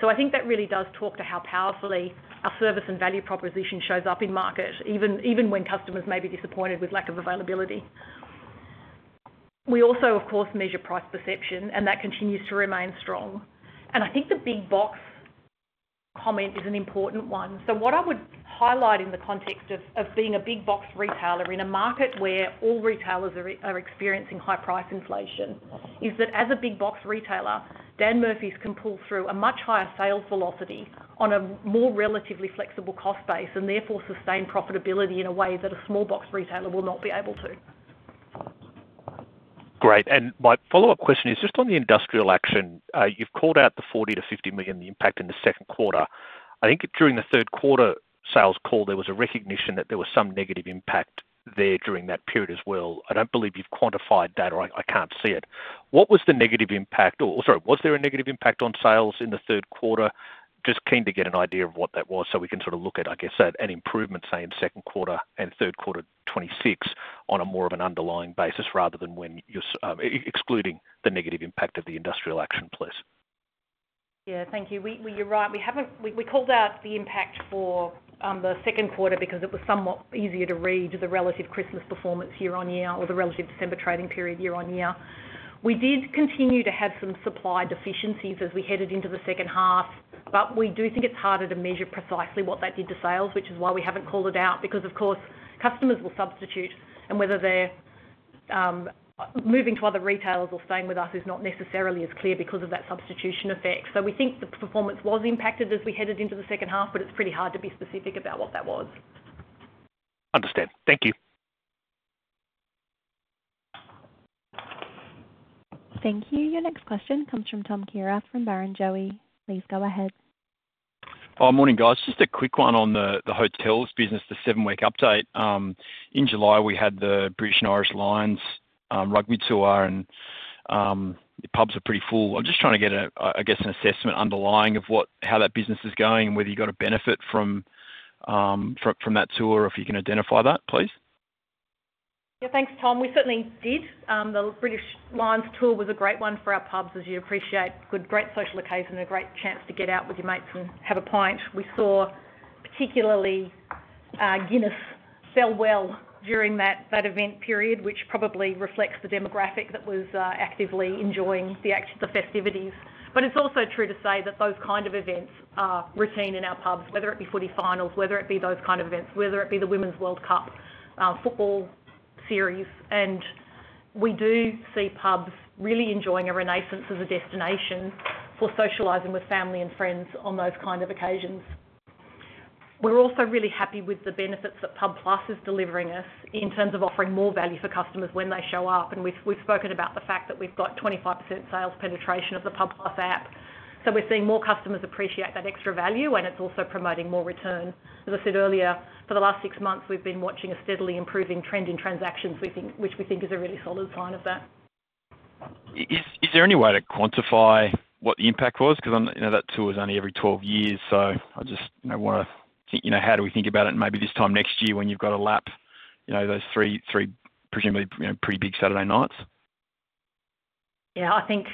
I think that really does talk to how powerfully our service and value proposition shows up in market, even when customers may be disappointed with lack of availability. We also, of course, measure price perception, and that continues to remain strong. The big box comment is an important one. What I would highlight in the context of being a big box retailer in a market where all retailers are experiencing high price inflation is that as a big box retailer, Dan Murphy's can pull through a much higher sales velocity on a more relatively flexible cost base and therefore sustain profitability in a way that a small box retailer will not be able to. Great. My follow up question is just on the industrial action. You've called out the 40 million-50 million impact in the second quarter. I think during the third quarter sales call there was a recognition that there was some negative impact there during that period as well. I don't believe you've quantified that or I can't see it. What was the negative impact, or sorry, was there a negative impact on sales in the third quarter? Just keen to get an idea of what that was so we can sort of look at, I guess, an improvement, say in second quarter and third quarter 2026, on more of an underlying basis rather than when you're excluding the negative impact of the industrial action. Please. Yeah, thank you. You're right, we haven't. We called out the impact for the second quarter because it was somewhat easier to read the relative Christmas performance year on year or the relative December trading period year on year. We did continue to have some supply deficiencies as we headed into the second half, but we do think it's harder to measure precisely what that did to sales, which is why we haven't called it out because of course customers will substitute, and whether they're moving to other retailers or staying with us is not necessarily as clear because of that substitution effect. We think the performance was impacted as we headed into the second half, but it's pretty hard to be specific about what that was. Understand. Thank you. Thank you. Your next question comes from Tom Kierath from Barrenjoey, please go ahead. Morning, guys. Just a quick one on the hotels business. The seven week update. In July we had the British and Irish Lions rugby tour, and the pubs are pretty full. I'm just trying to get, I guess, an assessment underlying of how that business is going and whether you got a benefit from that tour. If you can identify that, please. Yeah, thanks, Tom. We certainly did. The British Lions tour was a great one for our pubs, as you appreciate. Good, great social occasion, a great chance to get out with your mates and have a pint. We saw particularly Guinness fell well during that event period, which probably reflects the demographic that was actively enjoying the festivities. It's also true to say that those kind of events are routine in our pubs, whether it be footy finals, those kind of events, or the Women's World Cup football series. We do see pubs really enjoying a renaissance as a destination for socializing with family and friends on those kind of occasions. We're also really happy with the benefits that pub+ is delivering us in terms of offering more value for customers when they show up. We've spoken about the fact that we've got 25% sales penetration of the pub+ app, so we're seeing more customers appreciate that extra value and it's also promoting more return. As I said earlier, for the last six months, we've been watching a steadily improving trend in transactions, which we think is a really solid sign of that. Is there any way to quantify what the impact was? Because that tool is only every 12 years. I just want to think, how do we think about it maybe this time next year when you've got to lap those three presumably pretty big Saturday nights. Yeah, I think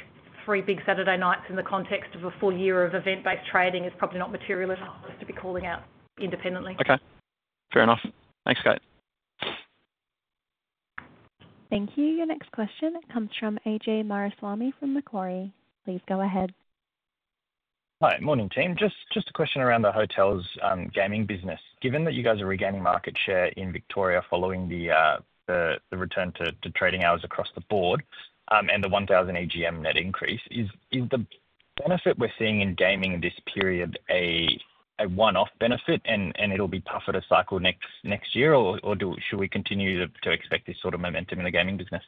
three big Saturday nights in the context of a full year of event-based trading is probably not material at all to be calling out independently. Okay, fair enough. Thanks, Kate. Thank you. Your next question comes from Ajay Mariswamy from Macquarie. Please go ahead. Hi, morning team. Just a question around the hotel's gaming business. Given that you guys are regaining market share in Victoria following the return to trading hours across the board and the 1,000 AGM net increase, is the benefit we're seeing in gaming in this period a one-off benefit and it'll be tougher to cycle next year or should we continue to expect this sort of momentum in the gaming business?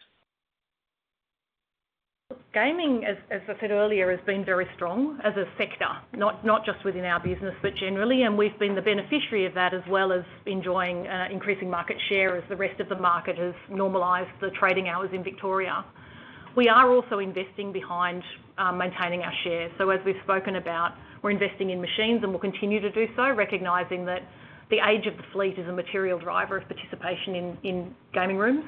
Gaming, as I said earlier, has been very strong as a sector, not just within our business but generally, and we've been the beneficiary of that. As well as enjoying increasing market share as the rest of the market has normalized the trading hours in Victoria, we are also investing behind maintaining our share. As we've spoken about, we're investing in machines and we'll continue to do so, recognizing that the age of the fleet is a material driver of participation in gaming rooms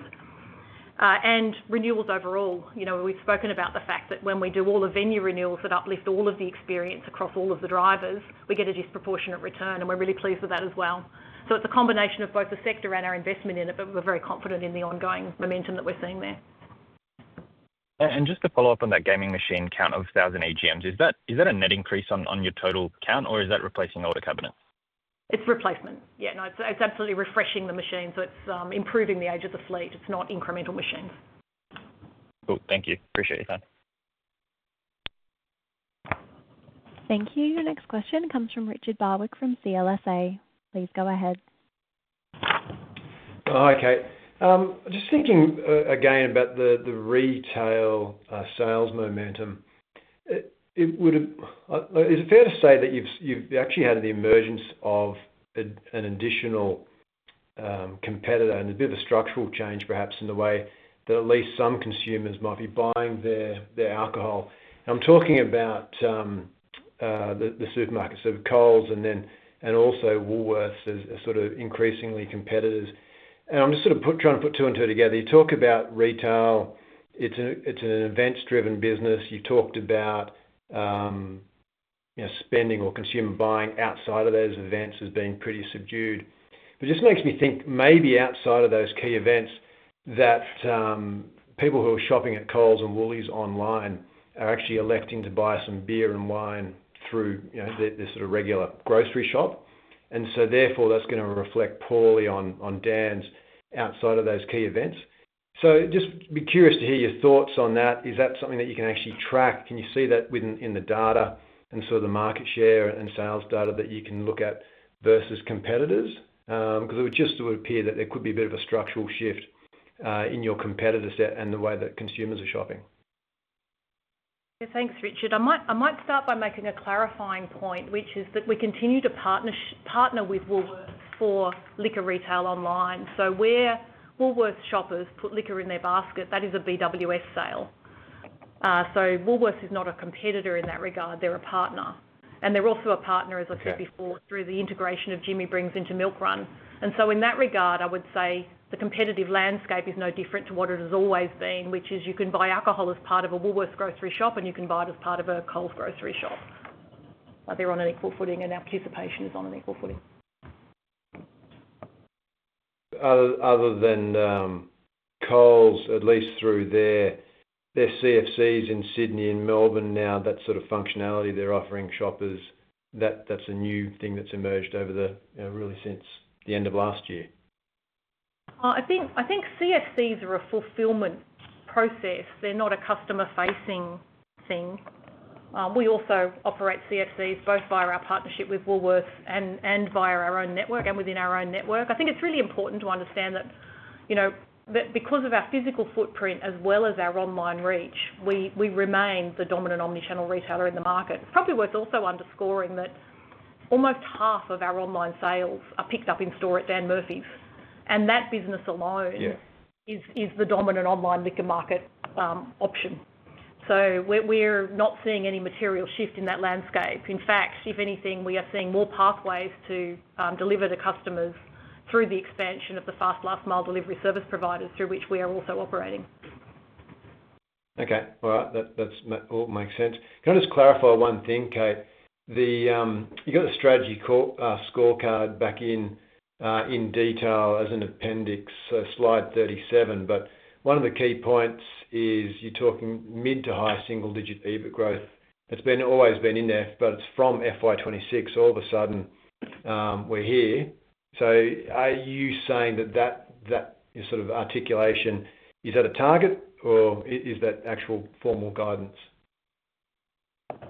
and renewals overall. We've spoken about the fact that when we do all the venue renewals that uplift all of the experience across all of the drivers, we get a disproportionate return and we're really pleased with that as well. It is a combination of both the sector and our investment in it, but we're very confident in the ongoing momentum that we're seeing there. Just to follow up on that gaming machine count of 1,000 AGMs, is that a net increase on your total count or is that replacing older cabinets? It's replacement, yeah. No, it's absolutely refreshing the machine. It's improving the age of the fleet, it's not incremental machines. Cool. Thank you. Appreciate your time. Thank you. Your next question comes from Richard Barwick from CLSA. Please go ahead. Hi Kate, just thinking again about the retail sales momentum. Is it fair to say that you've actually had the emergence of an additional competitor and a bit of a structural change perhaps in the way that at least some consumers might be buying their alcohol? I'm talking about the supermarkets of Coles and also Woolworths as increasingly competitors. I'm just trying to put two and two together. You talk about retail, it's an events-driven business. You talked about spending or consumer buying outside of those events as being pretty subdued. It just makes me think maybe outside of those key events that people who are shopping at Coles and Woolies online are actually electing to buy some beer and wine through this regular grocery shop. Therefore, that's going to reflect poorly on Dan's outside of those key events. I'd be curious to hear your thoughts on that. Is that something that you can actually track? Can you see that within the data and the market share and sales data that you can look at versus competitors? It would just appear that there could be a bit of a structural shift in your competitor set and the way that consumers are shopping. Thanks, Richard. I might start by making a clarifying point, which is that we continue to partner with Woolworths for liquor retail online. Where Woolworths shoppers put liquor in their basket, that is a BWS sale. Woolworths is not a competitor in that regard; they're a partner. They're also a partner, as I said before, through the integration of Jimmy Brings into MILKRUN. In that regard, I would say the competitive landscape is no different to what it has always been, which is you can buy alcohol as part of a Woolworths grocery shop and you can buy it as part of a Coles grocery shop. They're on an equal footing, and our participation is on an equal footing other. Than Coles, at least through their CFCs in Sydney and Melbourne. Now that sort of functionality they're offering shoppers is a new thing that's emerged really since the end of last year. I think CFCs are a fulfillment process. They're not a customer-facing thing. We also operate CFCs both via our partnership with Woolworths and via our own network. Within our own network, I think it's really important to understand that because of our physical footprint as well as our online reach, we remain the dominant omnichannel retailer in the market. It's probably worth also underscoring that almost half of our online sales are picked up in store at Dan Murphy's, and that business alone is the dominant online liquor market option. We're not seeing any material shift in that landscape. In fact, if anything, we are seeing more pathways to deliver the customers through the expansion of the fast last mile delivery service providers through which we are also operating. Okay, all right, that all makes sense. Can I just clarify one thing, Kate? You got the strategy scorecard back in detail as an appendix, slide 37. One of the key points is you're talking mid to high single digit EBIT growth. It's always been in there, but it's from FY 2026. All of a sudden we're here. Are you saying that sort of articulation, is that a target or is that actual formal guidance?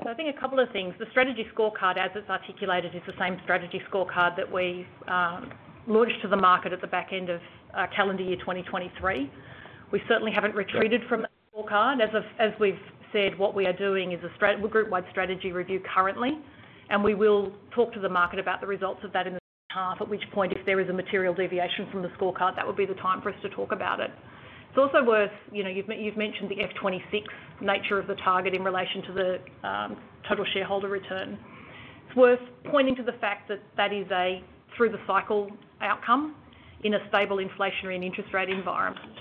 I think a couple of things. The strategy scorecard as it's articulated is the same strategy scorecard that we launched to the market at the back end of calendar year 2023. We certainly haven't retreated from as we've said, what we are doing is a group-wide strategy review currently and we will talk to the market about the results of that in the second half, at which point, if there is a material deviation from the scorecard, that would be the time for us to talk about it. It's also worth, you know, you've mentioned the F 2026 nature of the target in relation to the total shareholder return. It's worth pointing to the fact that that is a through-the-cycle outcome in a stable inflationary and interest rate environment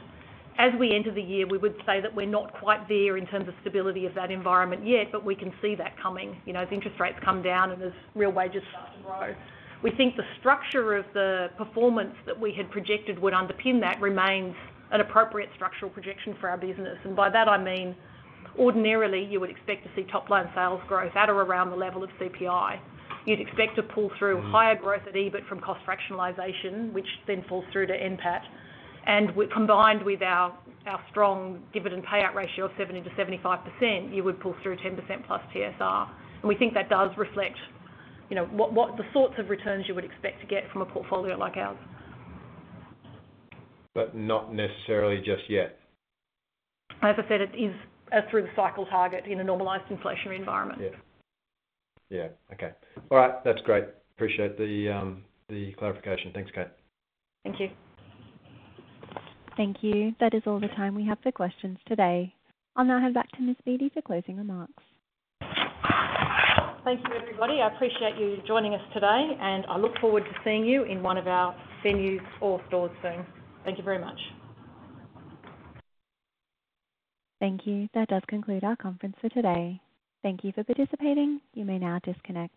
as we enter the year. We would say that we're not quite there in terms of stability of that environment yet, but we can see that coming, you know, as interest rates come down and as real wages start to grow. We think the structure of the performance that we had projected would underpin that remains an appropriate structural projection for our business. By that I mean ordinarily you would expect to see top line sales growth at or around the level of CPI. You'd expect to pull through higher growth at EBIT from cost fractionalisation, which then falls through to NPAT and combined with our strong dividend payout ratio of 70%-75%, you would pull through 10% plus TSR. We think that does reflect the sorts of returns you would expect to get from a portfolio like ours. Not necessarily just yet. As I said, it is through the cycle target in a normalized inflationary environment. Okay, all right, that's great. Appreciate the clarification. Thanks, Kate. Thank you. Thank you. That is all the time we have for questions today. I'll now hand back to Ms. Beattie for closing remarks. Thank you everybody. I appreciate you joining us today and I look forward to seeing you in one of our venues or stores soon. Thank you very much. Thank you. That does conclude our conference for today. Thank you for participating. You may now disconnect.